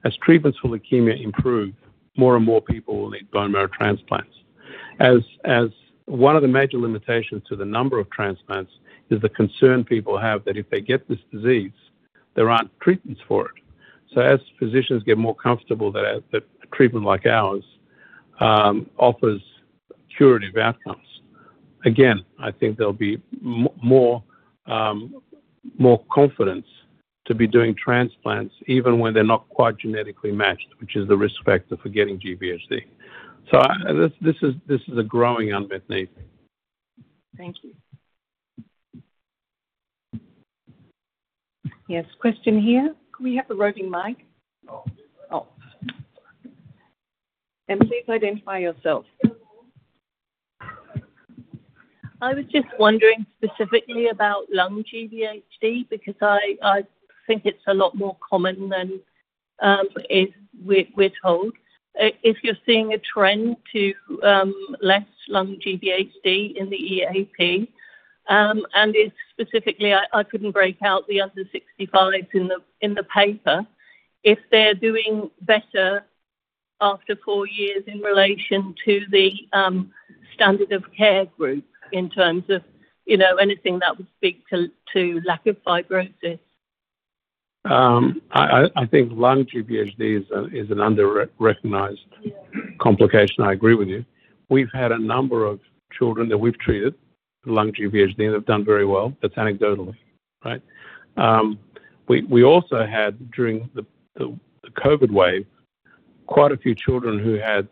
as treatments for leukemia improve, more and more people will need bone marrow transplants. One of the major limitations to the number of transplants is the concern people have that if they get this disease, there aren't treatments for it. As physicians get more comfortable that a treatment like ours offers curative outcomes, again, I think there'll be more confidence to be doing transplants even when they're not quite genetically matched, which is the risk factor for getting GVHD. So this is a growing unmet need. Thank you. Yes, Christine, here? Can we have the roving mic? And please identify yourself. I was just wondering specifically about lung GVHD because I think it's a lot more common than we're told. If you're seeing a trend to less lung GVHD in the EAP, and specifically, I couldn't break out the under 65s in the paper, if they're doing better after four years in relation to the standard of care group in terms of anything that would speak to lack of fibrosis? I think lung GVHD is an under-recognized complication. I agree with you. We've had a number of children that we've treated for lung GVHD that have done very well. That's anecdotally, right? We also had, during the COVID wave, quite a few children who had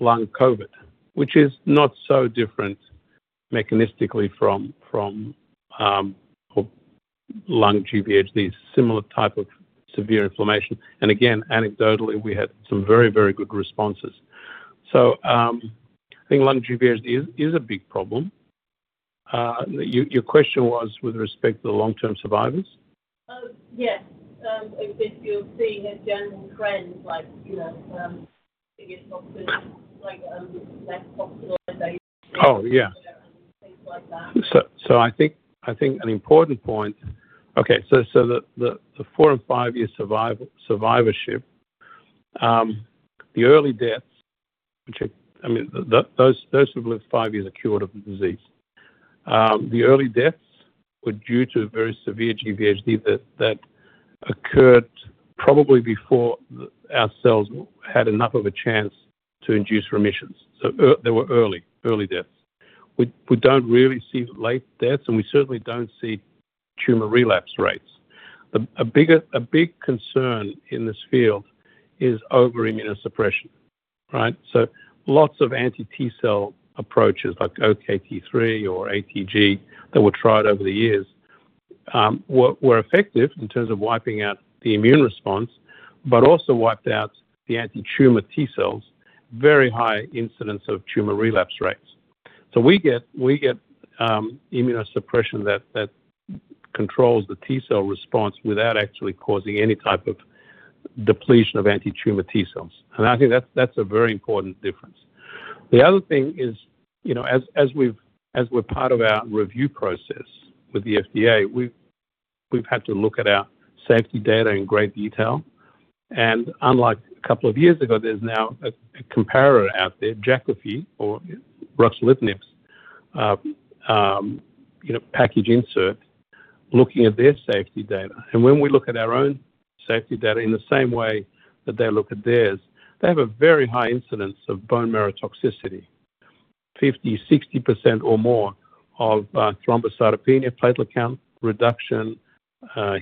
lung COVID, which is not so different mechanistically from lung GVHD, similar type of severe inflammation. And again, anecdotally, we had some very, very good responses. So I think lung GVHD is a big problem. Your question was with respect to the long-term survivors? Yes. If you're seeing a general trend like less hospitalization and things like that. So I think an important point, okay, so the four and five-year survivorship, the early deaths, which I mean, those who've lived five years are cured of the disease. The early deaths were due to very severe GVHD that occurred probably before our cells had enough of a chance to induce remissions. So they were early deaths. We don't really see late deaths, and we certainly don't see tumor relapse rates. A big concern in this field is over-immune suppression, right? So lots of anti-T-cell approaches like OKT3 or ATG that were tried over the years were effective in terms of wiping out the immune response, but also wiped out the anti-tumor T-cells, very high incidence of tumor relapse rates. So we get immunosuppression that controls the T-cell response without actually causing any type of depletion of anti-tumor T-cells. And I think that's a very important difference. The other thing is, as we're part of our review process with the FDA, we've had to look at our safety data in great detail. And unlike a couple of years ago, there's now a comparator out there, Jakafi or ruxolitinib's package insert, looking at their safety data. And when we look at our own safety data in the same way that they look at theirs, they have a very high incidence of bone marrow toxicity, 50%-60% or more of thrombocytopenia, platelet count reduction,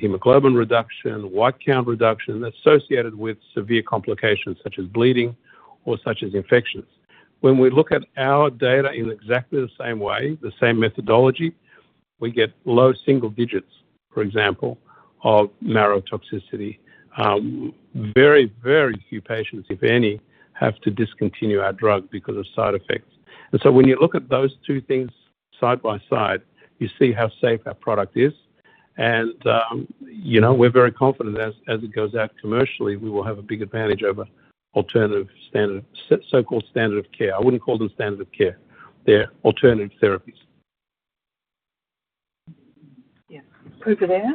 hemoglobin reduction, white count reduction associated with severe complications such as bleeding or such as infections. When we look at our data in exactly the same way, the same methodology, we get low single digits, for example, of marrow toxicity. Very, very few patients, if any, have to discontinue our drug because of side effects. And so when you look at those two things side by side, you see how safe our product is. And we're very confident that as it goes out commercially, we will have a big advantage over alternative standard of so-called standard of care. I wouldn't call them standard of care. They're alternative therapies. Yes. Over there.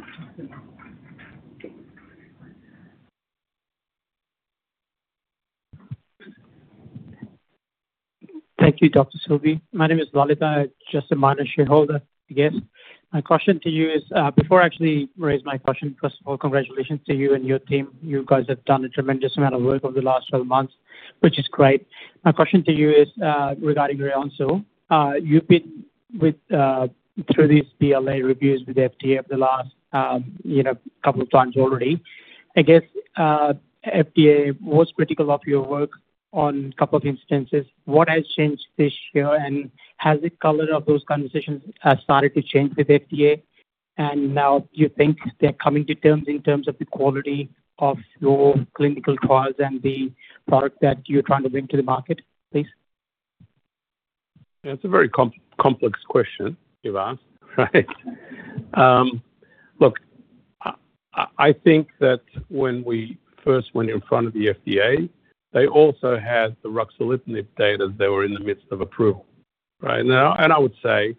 Thank you, Dr. Itescu. My name is Lolita, just a minor shareholder, I guess. My question to you is, before I actually raise my question, first of all, congratulations to you and your team. You guys have done a tremendous amount of work over the last 12 months, which is great. My question to you is regarding Ryoncil. You've been through these BLA reviews with the FDA for the last couple of times already. I guess FDA was critical of your work on a couple of instances. What has changed this year, and has the color of those conversations started to change with the FDA? And now, do you think they're coming to terms in terms of the quality of your clinical trials and the product that you're trying to bring to the market, please? That's a very complex question you've asked, right? Look, I think that when we first went in front of the FDA, they also had the ruxolitinib data that they were in the midst of approval, right? And I would say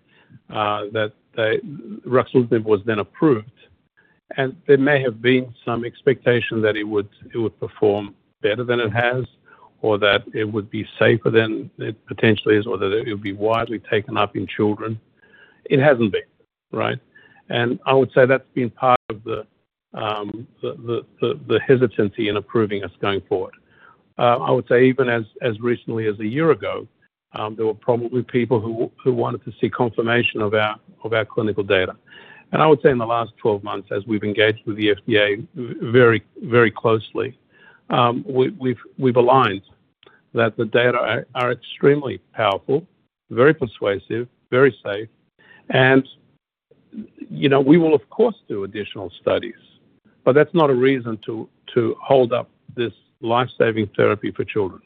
that ruxolitinib was then approved. And there may have been some expectation that it would perform better than it has or that it would be safer than it potentially is or that it would be widely taken up in children. It hasn't been, right? And I would say that's been part of the hesitancy in approving us going forward. I would say even as recently as a year ago, there were probably people who wanted to see confirmation of our clinical data. And I would say in the last 12 months, as we've engaged with the FDA very closely, we've aligned that the data are extremely powerful, very persuasive, very safe. And we will, of course, do additional studies. But that's not a reason to hold up this lifesaving therapy for children.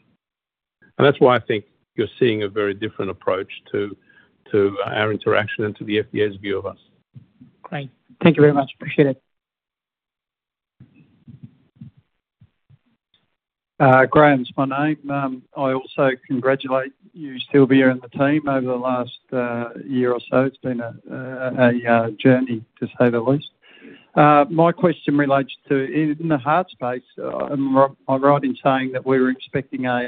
And that's why I think you're seeing a very different approach to our interaction and to the FDA's view of us. Great. Thank you very much. Appreciate it. Graham's my name. I also congratulate you, Silviu, and the team over the last year or so. It's been a journey, to say the least. My question relates to in the heart space. I'm right in saying that we were expecting a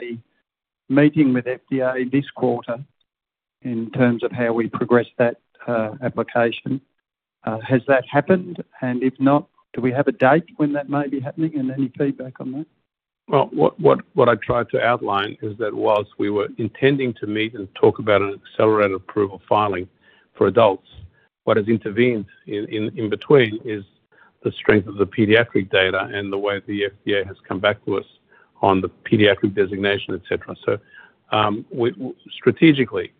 meeting with FDA this quarter in terms of how we progress that application. Has that happened? And if not, do we have a date when that may be happening and any feedback on that? What I tried to outline is that while we were intending to meet and talk about an accelerated approval filing for adults, what has intervened in between is the strength of the pediatric data and the way the FDA has come back to us on the pediatric designation, etc. So strategically,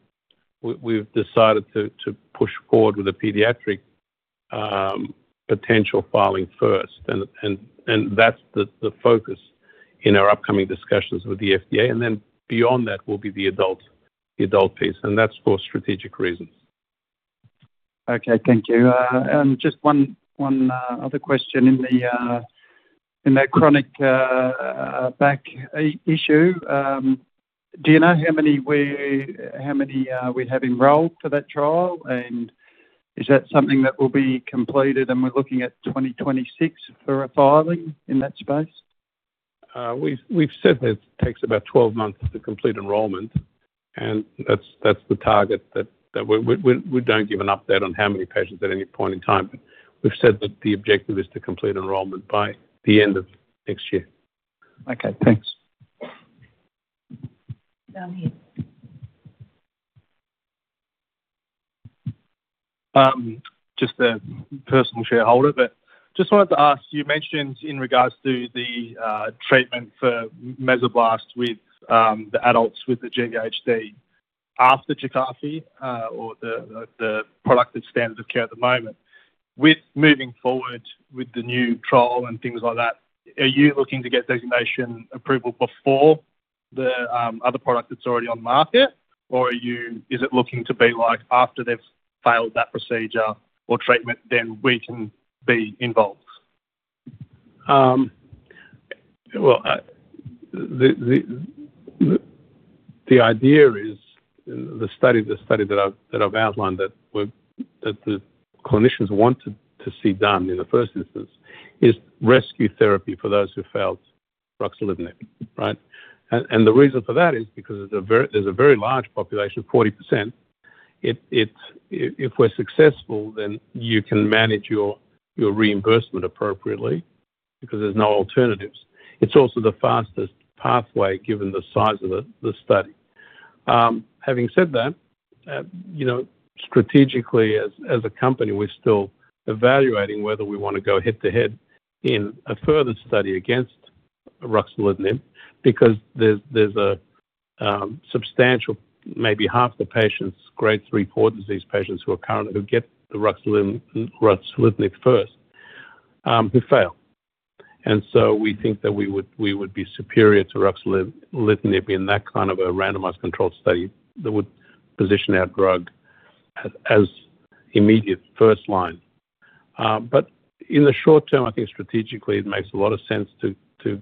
we've decided to push forward with a pediatric potential filing first. And that's the focus in our upcoming discussions with the FDA. And then beyond that will be the adult piece. And that's for strategic reasons. Okay. Thank you. And just one other question in the chronic back issue. Do you know how many we have enrolled for that trial? And is that something that will be completed? And we're looking at 2026 for a filing in that space? We've said that it takes about 12 months to complete enrollment. That's the target that we don't give an update on how many patients at any point in time. But we've said that the objective is to complete enrollment by the end of next year. Okay. Thanks. Down here. Just a personal shareholder, but just wanted to ask, you mentioned in regards to the treatment for Mesoblast with the adults with the GVHD after Jakafi or the predominant standard of care at the moment. With moving forward with the new trial and things like that, are you looking to get designation approval before the other product that's already on the market? Or is it looking to be like after they've failed that procedure or treatment, then we can be involved? Well, the idea is the study that I've outlined that the clinicians wanted to see done in the first instance is rescue therapy for those who failed ruxolitinib, right? And the reason for that is because there's a very large population, 40%. If we're successful, then you can manage your reimbursement appropriately because there's no alternatives. It's also the fastest pathway given the size of the study. Having said that, strategically, as a company, we're still evaluating whether we want to go head-to-head in a further study against ruxolitinib because there's a substantial, maybe half the patients, grade 3, 4 disease patients who get the ruxolitinib first who fail. And so we think that we would be superior to ruxolitinib in that kind of a randomized controlled study that would position our drug as immediate first line. But in the short term, I think strategically, it makes a lot of sense to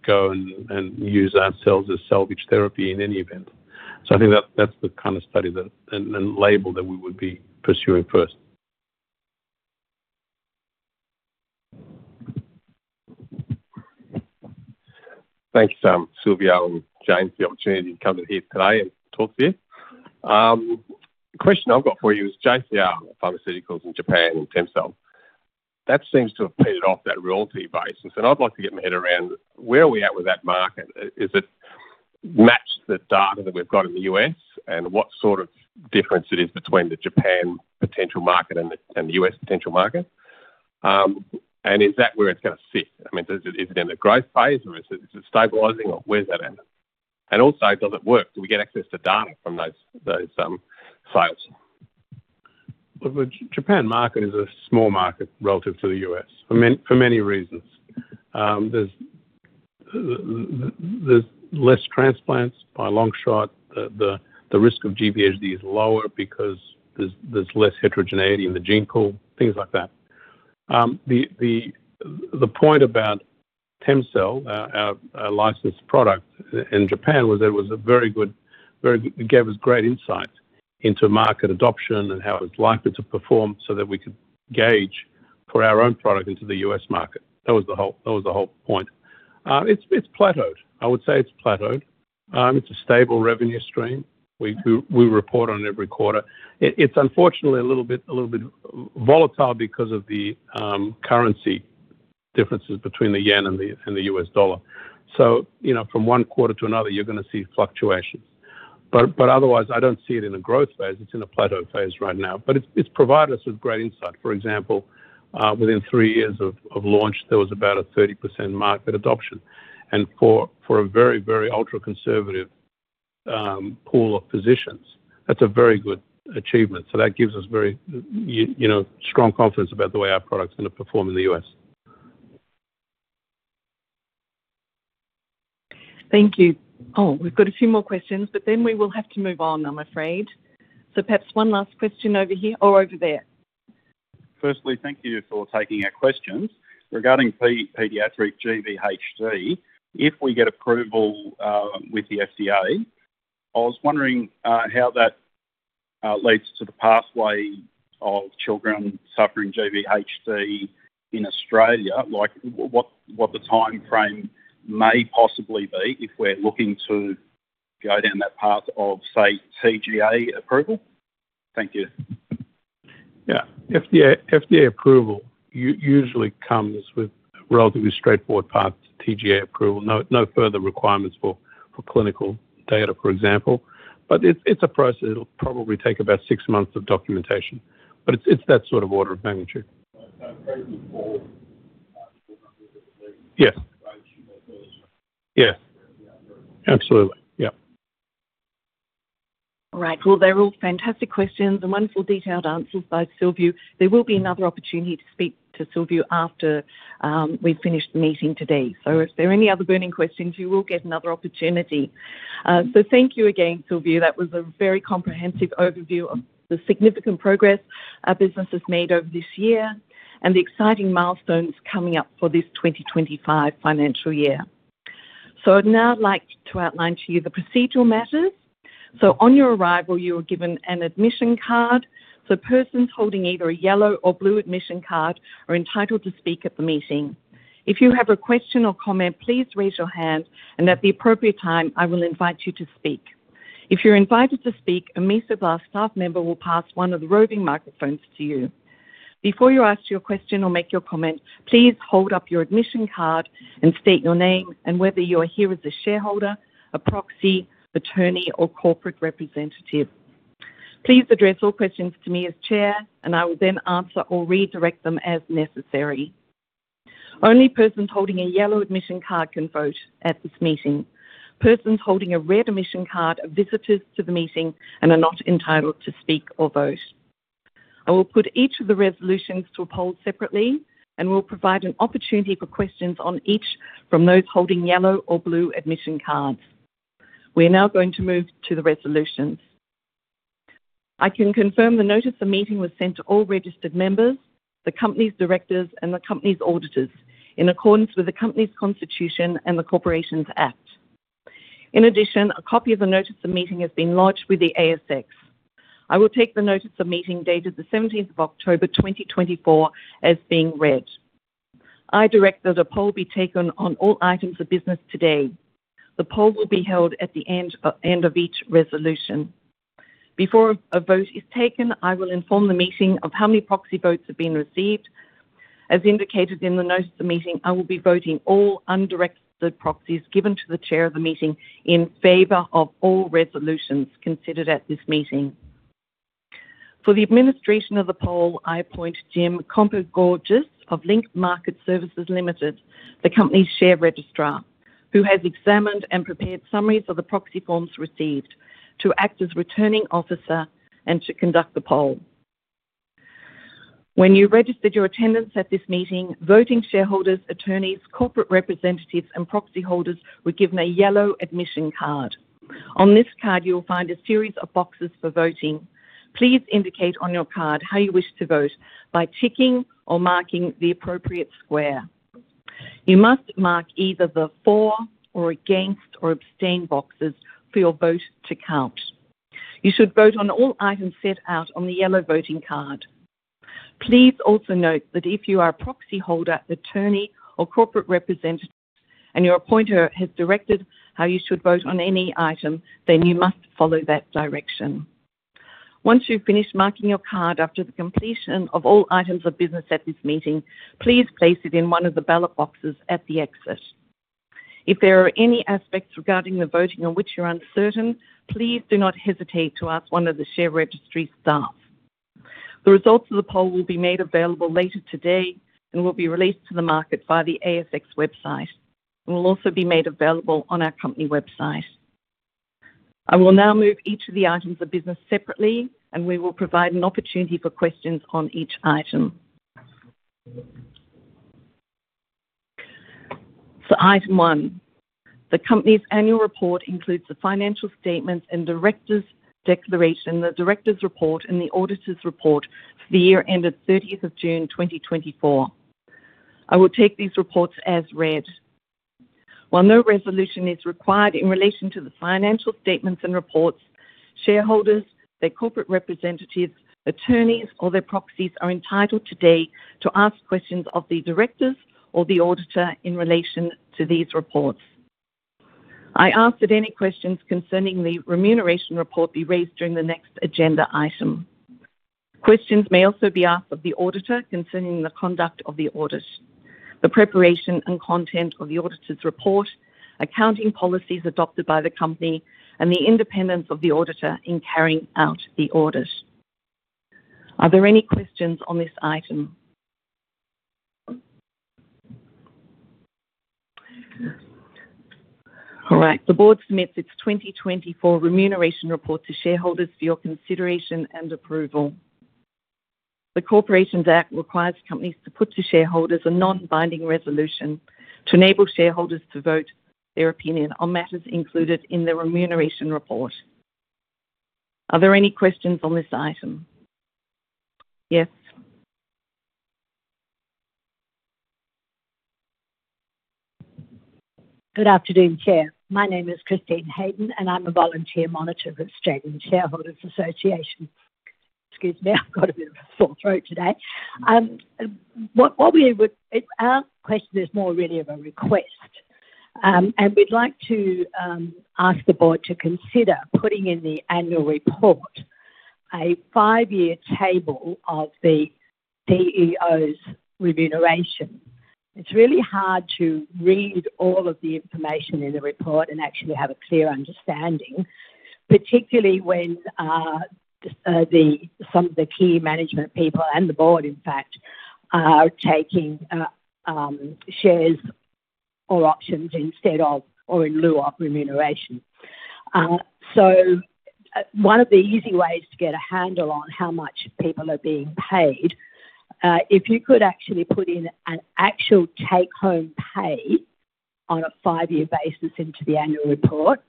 go and use our cells as salvage therapy in any event. So I think that's the kind of study and label that we would be pursuing first. Thanks, Silviu. I'm glad to the opportunity to come here today and talk to you. The question I've got for you is JCR Pharmaceuticals in Japan and Temcell. That seems to have paid off that royalty basis. And I'd like to get my head around where are we at with that market? Does it match the data that we've got in the U.S.? And what sort of difference it is between the Japan potential market and the U.S. potential market? And is that where it's going to sit? I mean, is it in the growth phase or is it stabilizing or where's that at? And also, does it work? Do we get access to data from those sites? The Japan market is a small market relative to the U.S. for many reasons. There's less transplants by a long shot. The risk of GVHD is lower because there's less heterogeneity in the gene pool, things like that. The point about Temcell, our licensed product in Japan, was that it was a very good. It gave us great insight into market adoption and how it was likely to perform so that we could gauge for our own product into the U.S. market. That was the whole point. It's plateaued. I would say it's plateaued. It's a stable revenue stream. We report on it every quarter. It's unfortunately a little bit volatile because of the currency differences between the yen and the US dollar. So from one quarter to another, you're going to see fluctuations. But otherwise, I don't see it in a growth phase. It's in a plateau phase right now. But it's provided us with great insight. For example, within three years of launch, there was about a 30% market adoption. And for a very, very ultra-conservative pool of physicians, that's a very good achievement. So that gives us very strong confidence about the way our product's going to perform in the U.S. Thank you. Oh, we've got a few more questions, but then we will have to move on, I'm afraid. So perhaps one last question over here or over there. Firstly, thank you for taking our questions. Regarding pediatric GVHD, if we get approval with the FDA, I was wondering how that leads to the pathway of children suffering GVHD in Australia, what the timeframe may possibly be if we're looking to go down that path of, say, TGA approval? Thank you. Yeah. FDA approval usually comes with a relatively straightforward path to TGA approval, no further requirements for clinical data, for example. But it's a process. It'll probably take about six months of documentation. But it's that sort of order of magnitude. Yes. Absolutely. Yep. All right. Well, they're all fantastic questions and wonderful detailed answers from Silviu. There will be another opportunity to speak to Silviu after we've finished the meeting today. So if there are any other burning questions, you will get another opportunity. So thank you again, Silviu. That was a very comprehensive overview of the significant progress our business has made over this year and the exciting milestones coming up for this 2025 financial year. So I'd now like to outline to you the procedural matters. So on your arrival, you were given an admission card. So persons holding either a yellow or blue admission card are entitled to speak at the meeting. If you have a question or comment, please raise your hand. At the appropriate time, I will invite you to speak. If you're invited to speak, a Mesoblast staff member will pass one of the roving microphones to you. Before you ask your question or make your comment, please hold up your admission card and state your name and whether you are here as a shareholder, a proxy, attorney, or corporate representative. Please address all questions to me as chair, and I will then answer or redirect them as necessary. Only persons holding a yellow admission card can vote at this meeting. Persons holding a red admission card are visitors to the meeting and are not entitled to speak or vote. I will put each of the resolutions to a poll separately and will provide an opportunity for questions on each from those holding yellow or blue admission cards. We are now going to move to the resolutions. I can confirm the notice of meeting was sent to all registered members, the company's directors, and the company's auditors in accordance with the company's constitution and the Corporations Act. In addition, a copy of the notice of meeting has been lodged with the ASX. I will take the notice of meeting dated the 17th of October, 2024, as being read. I direct that a poll be taken on all items of business today. The poll will be held at the end of each resolution. Before a vote is taken, I will inform the meeting of how many proxy votes have been received. As indicated in the notice of meeting, I will be voting all undirected proxies given to the chair of the meeting in favor of all resolutions considered at this meeting. For the administration of the poll, I appoint Jim Kompogiorgas of Link Market Services Limited, the company's share registrar, who has examined and prepared summaries of the proxy forms received to act as returning officer and to conduct the poll. When you registered your attendance at this meeting, voting shareholders, attorneys, corporate representatives, and proxy holders were given a yellow admission card. On this card, you will find a series of boxes for voting. Please indicate on your card how you wish to vote by ticking or marking the appropriate square. You must mark either the for or against or abstain boxes for your vote to count. You should vote on all items set out on the yellow voting card. Please also note that if you are a proxy holder, attorney, or corporate representative, and your appointer has directed how you should vote on any item, then you must follow that direction. Once you've finished marking your card after the completion of all items of business at this meeting, please place it in one of the ballot boxes at the exit. If there are any aspects regarding the voting on which you're uncertain, please do not hesitate to ask one of the share registry staff. The results of the poll will be made available later today and will be released to the market via the ASX website. It will also be made available on our company website. I will now move each of the items of business separately, and we will provide an opportunity for questions on each item. Item one, the company's annual report includes the financial statements and director's declaration, the director's report, and the auditor's report for the year ended 30th of June, 2024. I will take these reports as read. While no resolution is required in relation to the financial statements and reports, shareholders, their corporate representatives, attorneys, or their proxies are entitled today to ask questions of the directors or the auditor in relation to these reports. I ask that any questions concerning the remuneration report be raised during the next agenda item. Questions may also be asked of the auditor concerning the conduct of the audit, the preparation and content of the auditor's report, accounting policies adopted by the company, and the independence of the auditor in carrying out the audit. Are there any questions on this item? All right. The board submits its 2024 remuneration report to shareholders for your consideration and approval. The Corporations Act requires companies to put to shareholders a non-binding resolution to enable shareholders to vote their opinion on matters included in the remuneration report. Are there any questions on this item? Yes. Good afternoon, Chair. My name is Christine Haydon, and I'm a volunteer monitor with Australian Shareholders Association. Excuse me. I've got a bit of a sore throat today. Our question is more really of a request, and we'd like to ask the board to consider putting in the annual report a five-year table of the CEO's remuneration. It's really hard to read all of the information in the report and actually have a clear understanding, particularly when some of the key management people and the board, in fact, are taking shares or options instead of or in lieu of remuneration. So one of the easy ways to get a handle on how much people are being paid, if you could actually put in an actual take-home pay on a five-year basis into the annual report,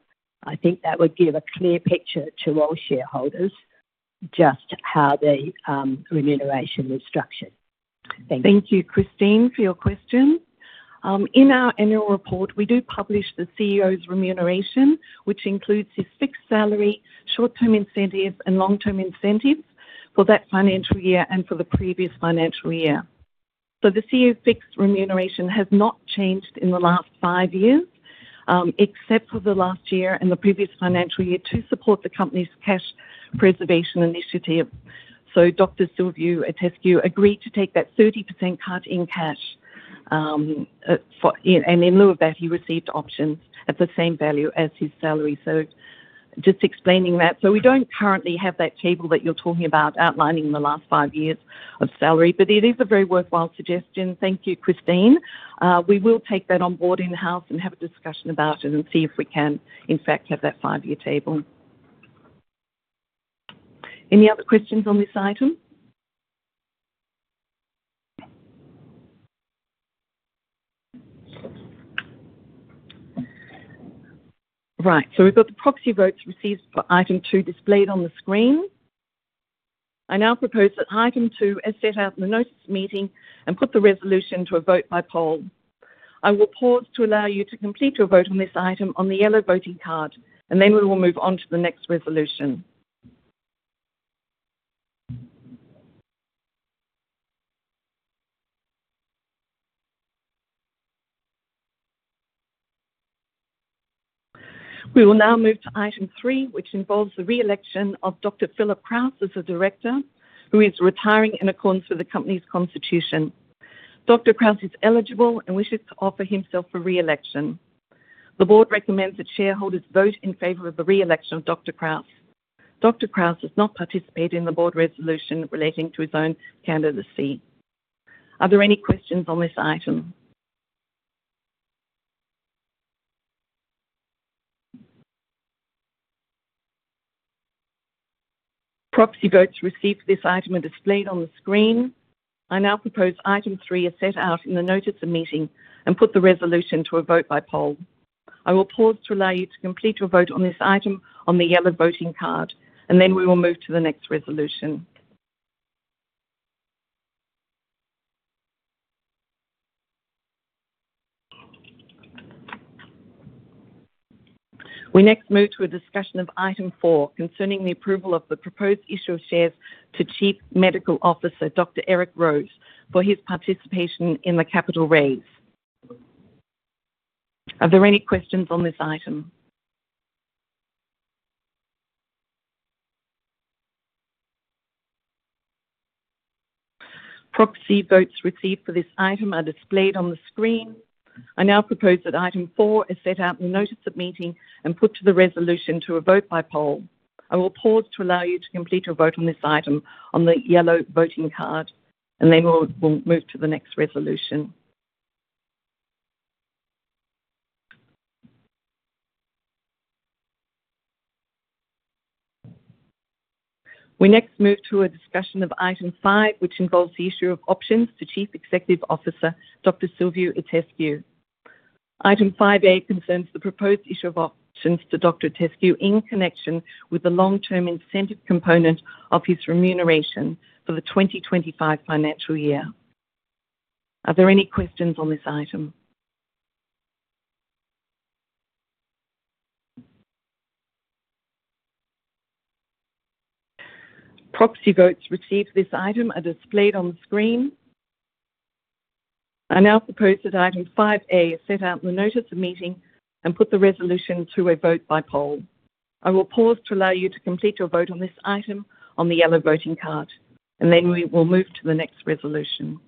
I think that would give a clear picture to all shareholders just how the remuneration is structured. Thank you. Thank you, Christine, for your question. In our annual report, we do publish the CEO's remuneration, which includes his fixed salary, short-term incentives, and long-term incentives for that financial year and for the previous financial year. So the CEO's fixed remuneration has not changed in the last five years except for the last year and the previous financial year to support the company's cash preservation initiative. So Dr. Silviu Itescu agreed to take that 30% cut in cash, and in lieu of that, he received options at the same value as his salary. So just explaining that. So we don't currently have that table that you're talking about outlining the last five years of salary, but it is a very worthwhile suggestion. Thank you, Christine. We will take that on board in-house and have a discussion about it and see if we can, in fact, have that five-year table. Any other questions on this item? Right. So we've got the proxy votes received for item two displayed on the screen. I now propose that item two is set out in the notice meeting and put the resolution to a vote by poll. I will pause to allow you to complete your vote on this item on the yellow voting card, and then we will move on to the next resolution. We will now move to item three, which involves the re-election of Dr. Philip Krause as a director, who is retiring in accordance with the company's constitution. Dr. Krause is eligible and wishes to offer himself for re-election. The board recommends that shareholders vote in favor of the re-election of Dr. Krause. Dr. Krause has not participated in the board resolution relating to his own candidacy. Are there any questions on this item? Proxy votes received for this item are displayed on the screen. I now propose item three is set out in the notice of meeting and put the resolution to a vote by poll. I will pause to allow you to complete your vote on this item on the yellow voting card, and then we will move to the next resolution. We next move to a discussion of item four concerning the approval of the proposed issue of shares to Chief Medical Officer Dr. Eric Rose for his participation in the capital raise. Are there any questions on this item? Proxy votes received for this item are displayed on the screen. I now propose that item four is set out in the Notice of Meeting and put the resolution to a vote by poll. I will pause to allow you to complete your vote on this item on the yellow voting card, and then we'll move to the next resolution. We next move to a discussion of item five, which involves the issue of options to Chief Executive Officer Dr. Silviu Itescu. Item 5A concerns the proposed issue of options to Dr. Itescu in connection with the long-term incentive component of his remuneration for the 2025 financial year. Are there any questions on this item? Proxy votes received for this item are displayed on the screen. I now propose that item 5A is set out in the notice of meeting and put the resolution to a vote by poll. I will pause to allow you to complete your vote on this item on the yellow voting card, and then we will move to the next resolution.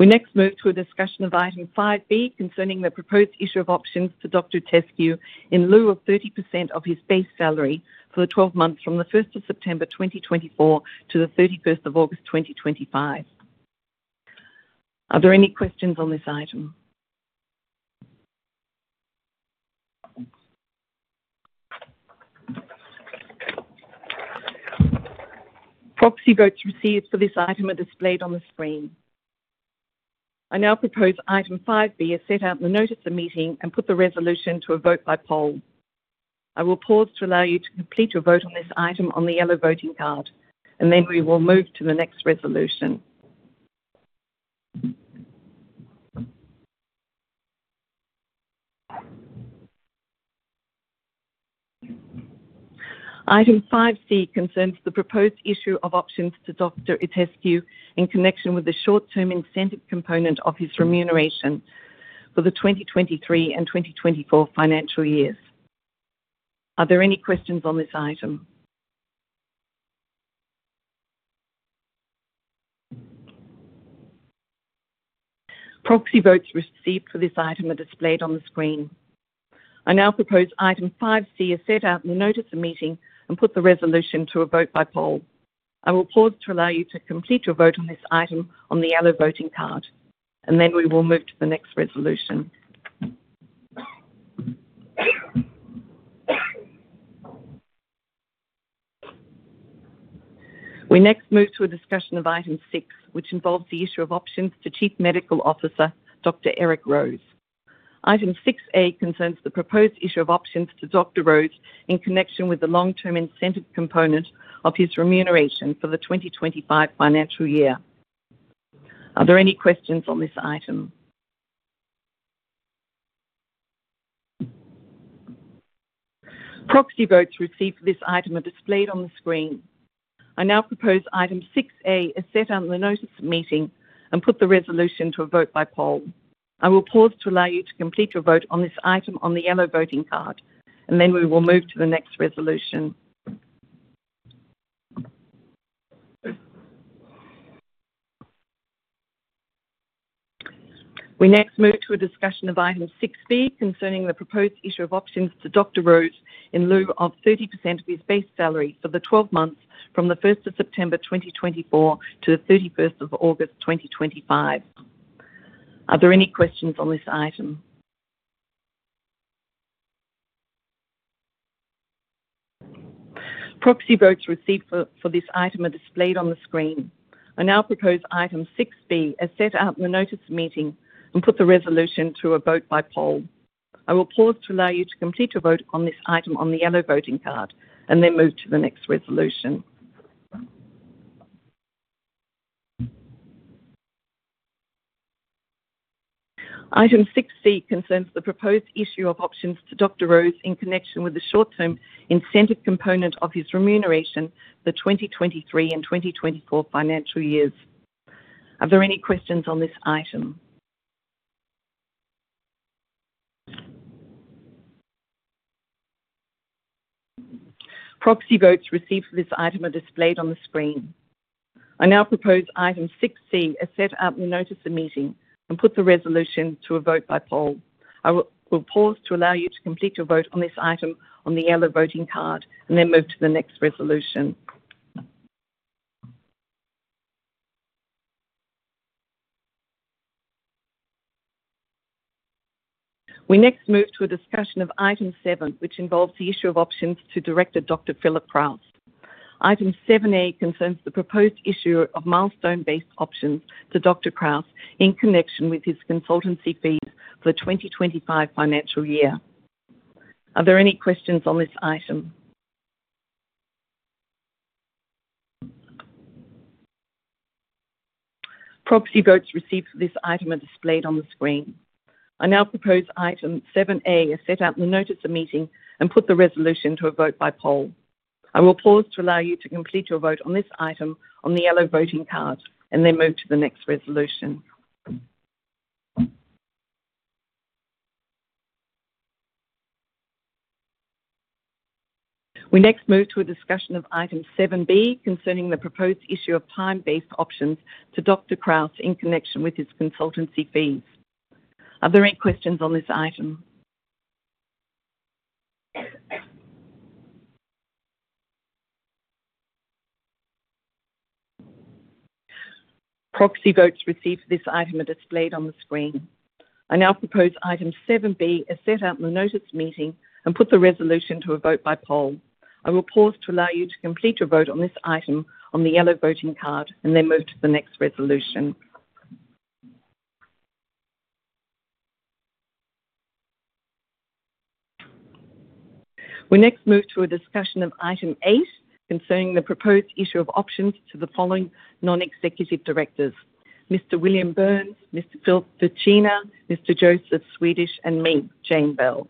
We next move to a discussion of item 5B concerning the proposed issue of options to Dr. Itescu in lieu of 30% of his base salary for the 12 months from the 1st of September, 2024, to the 31st of August, 2025. Are there any questions on this item? Proxy votes received for this item are displayed on the screen. I now propose item 5B is set out in the notice of meeting and put the resolution to a vote by poll. I will pause to allow you to complete your vote on this item on the yellow voting card, and then we will move to the next resolution. Item 5C concerns the proposed issue of options to Dr. Itescu in connection with the short-term incentive component of his remuneration for the 2023 and 2024 financial years. Are there any questions on this item? Proxy votes received for this item are displayed on the screen. I now propose item 5C is set out in the notice of meeting and put the resolution to a vote by poll. I will pause to allow you to complete your vote on this item on the yellow voting card, and then we will move to the next resolution. We next move to a discussion of item six, which involves the issue of options to Chief Medical Officer Dr. Eric Rose. Item six A concerns the proposed issue of options to Dr. Rose in connection with the long-term incentive component of his remuneration for the 2025 financial year. Are there any questions on this item? Proxy votes received for this item are displayed on the screen. I now propose item 6A is set out in the notice of meeting and put the resolution to a vote by poll. I will pause to allow you to complete your vote on this item on the yellow voting card, and then we will move to the next resolution. We next move to a discussion of item 6B concerning the proposed issue of options to Dr. Rose in lieu of 30% of his base salary for the 12 months from the 1st of September, 2024, to the 31st of August, 2025. Are there any questions on this item? Proxy votes received for this item are displayed on the screen. I now propose item 6B is set out in the notice of meeting and put the resolution to a vote by poll. I will pause to allow you to complete your vote on this item on the yellow voting card, and then move to the next resolution. Item 6C concerns the proposed issue of options to Dr. Rose in connection with the short-term incentive component of his remuneration for the 2023 and 2024 financial years. Are there any questions on this item? Proxy votes received for this item are displayed on the screen. I now propose item 6C is set out in the notice of meeting and put the resolution to a vote by poll. I will pause to allow you to complete your vote on this item on the yellow voting card, and then move to the next resolution. We next move to a discussion of item seven, which involves the issue of options to Director Dr. Philip Krause. Item 7A concerns the proposed issue of milestone-based options to Dr. Krause in connection with his consultancy fees for the 2025 financial year. Are there any questions on this item? Proxy votes received for this item are displayed on the screen. I now propose item 7A is set out in the notice of meeting and put the resolution to a vote by poll. I will pause to allow you to complete your vote on this item on the yellow voting card, and then move to the next resolution. We next move to a discussion of item 7B concerning the proposed issue of time-based options to Dr. Krause in connection with his consultancy fees. Are there any questions on this item? Proxy votes received for this item are displayed on the screen. I now propose item 7B is set out in the notice of meeting and put the resolution to a vote by poll. I will pause to allow you to complete your vote on this item on the yellow voting card, and then move to the next resolution. We next move to a discussion of item eight concerning the proposed issue of options to the following non-executive directors: Mr. William Burns, Mr. Philip Facchina, Mr. Joseph Swedish, and me, Jane Bell.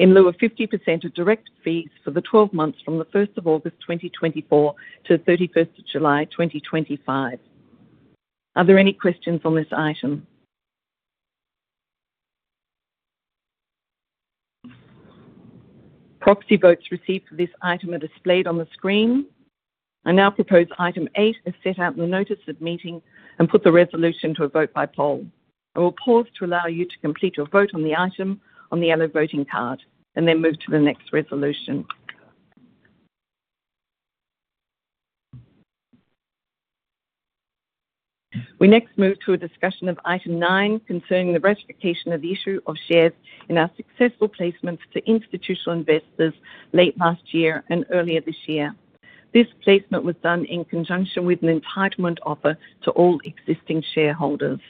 In lieu of 50% of direct fees for the 12 months from the 1st of August, 2024, to the 31st of July, 2025. Are there any questions on this item? Proxy votes received for this item are displayed on the screen. I now propose item eight is set out in the notice of meeting and put the resolution to a vote by poll. I will pause to allow you to complete your vote on the item on the yellow voting card, and then move to the next resolution. We next move to a discussion of item nine concerning the ratification of the issue of shares in our successful placements to institutional investors late last year and earlier this year. This placement was done in conjunction with an entitlement offer to all existing shareholders.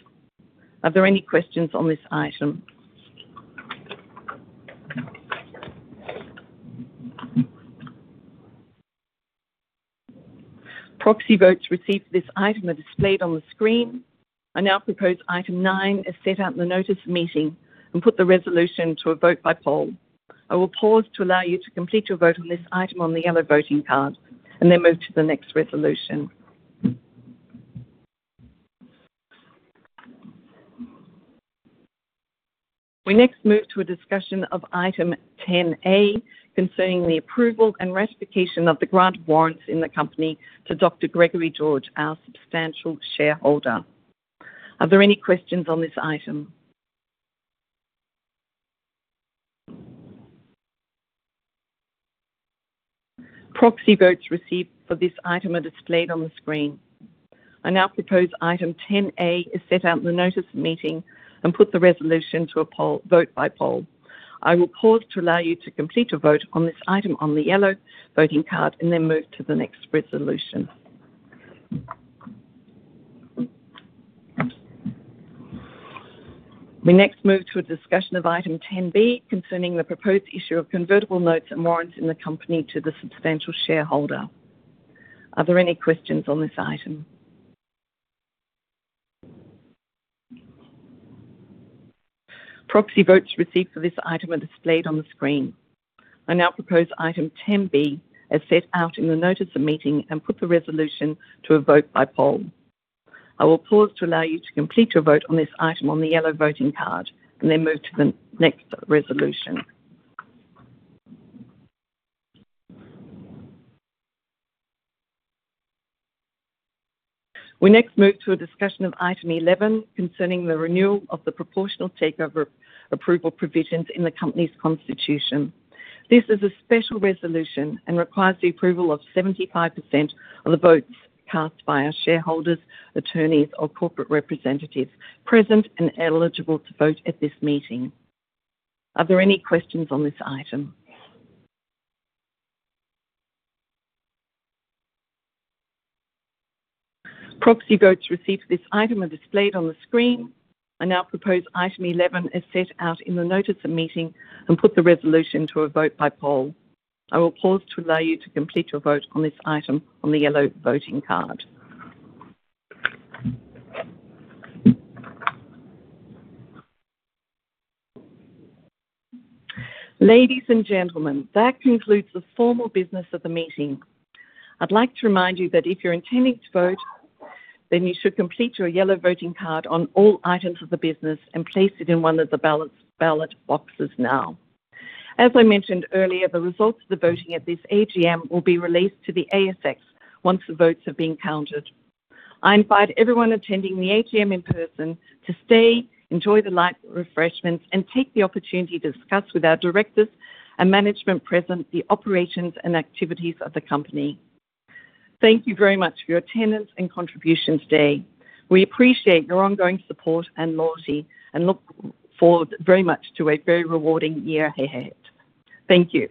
Are there any questions on this item? Proxy votes received for this item are displayed on the screen. I now propose item nine is set out in the notice of meeting and put the resolution to a vote by poll. I will pause to allow you to complete your vote on this item on the yellow voting card, and then move to the next resolution. We next move to a discussion of item 10A concerning the approval and ratification of the grant of warrants in the company to Dr. Gregory George, our substantial shareholder. Are there any questions on this item? Proxy votes received for this item are displayed on the screen. I now propose item 10A is set out in the notice of meeting and put the resolution to a vote by poll. I will pause to allow you to complete your vote on this item on the yellow voting card, and then move to the next resolution. We next move to a discussion of item 10B concerning the proposed issue of convertible notes and warrants in the company to the substantial shareholder. Are there any questions on this item? Proxy votes received for this item are displayed on the screen. I now propose item 10B is set out in the notice of meeting and put the resolution to a vote by poll. I will pause to allow you to complete your vote on this item on the yellow voting card, and then move to the next resolution. We next move to a discussion of item 11 concerning the renewal of the proportional takeover approval provisions in the company's constitution. This is a special resolution and requires the approval of 75% of the votes cast by our shareholders, attorneys, or corporate representatives present and eligible to vote at this meeting. Are there any questions on this item? Proxy votes received for this item are displayed on the screen. I now propose item 11 is set out in the notice of meeting and put the resolution to a vote by poll. I will pause to allow you to complete your vote on this item on the yellow voting card. Ladies and gentlemen, that concludes the formal business of the meeting. I'd like to remind you that if you're intending to vote, then you should complete your yellow voting card on all items of the business and place it in one of the ballot boxes now. As I mentioned earlier, the results of the voting at this AGM will be released to the ASX once the votes have been counted. I invite everyone attending the AGM in person to stay, enjoy the light refreshments, and take the opportunity to discuss with our directors and management present the operations and activities of the company. Thank you very much for your attendance and contributions today. We appreciate your ongoing support and loyalty and look forward very much to a very rewarding year ahead. Thank you.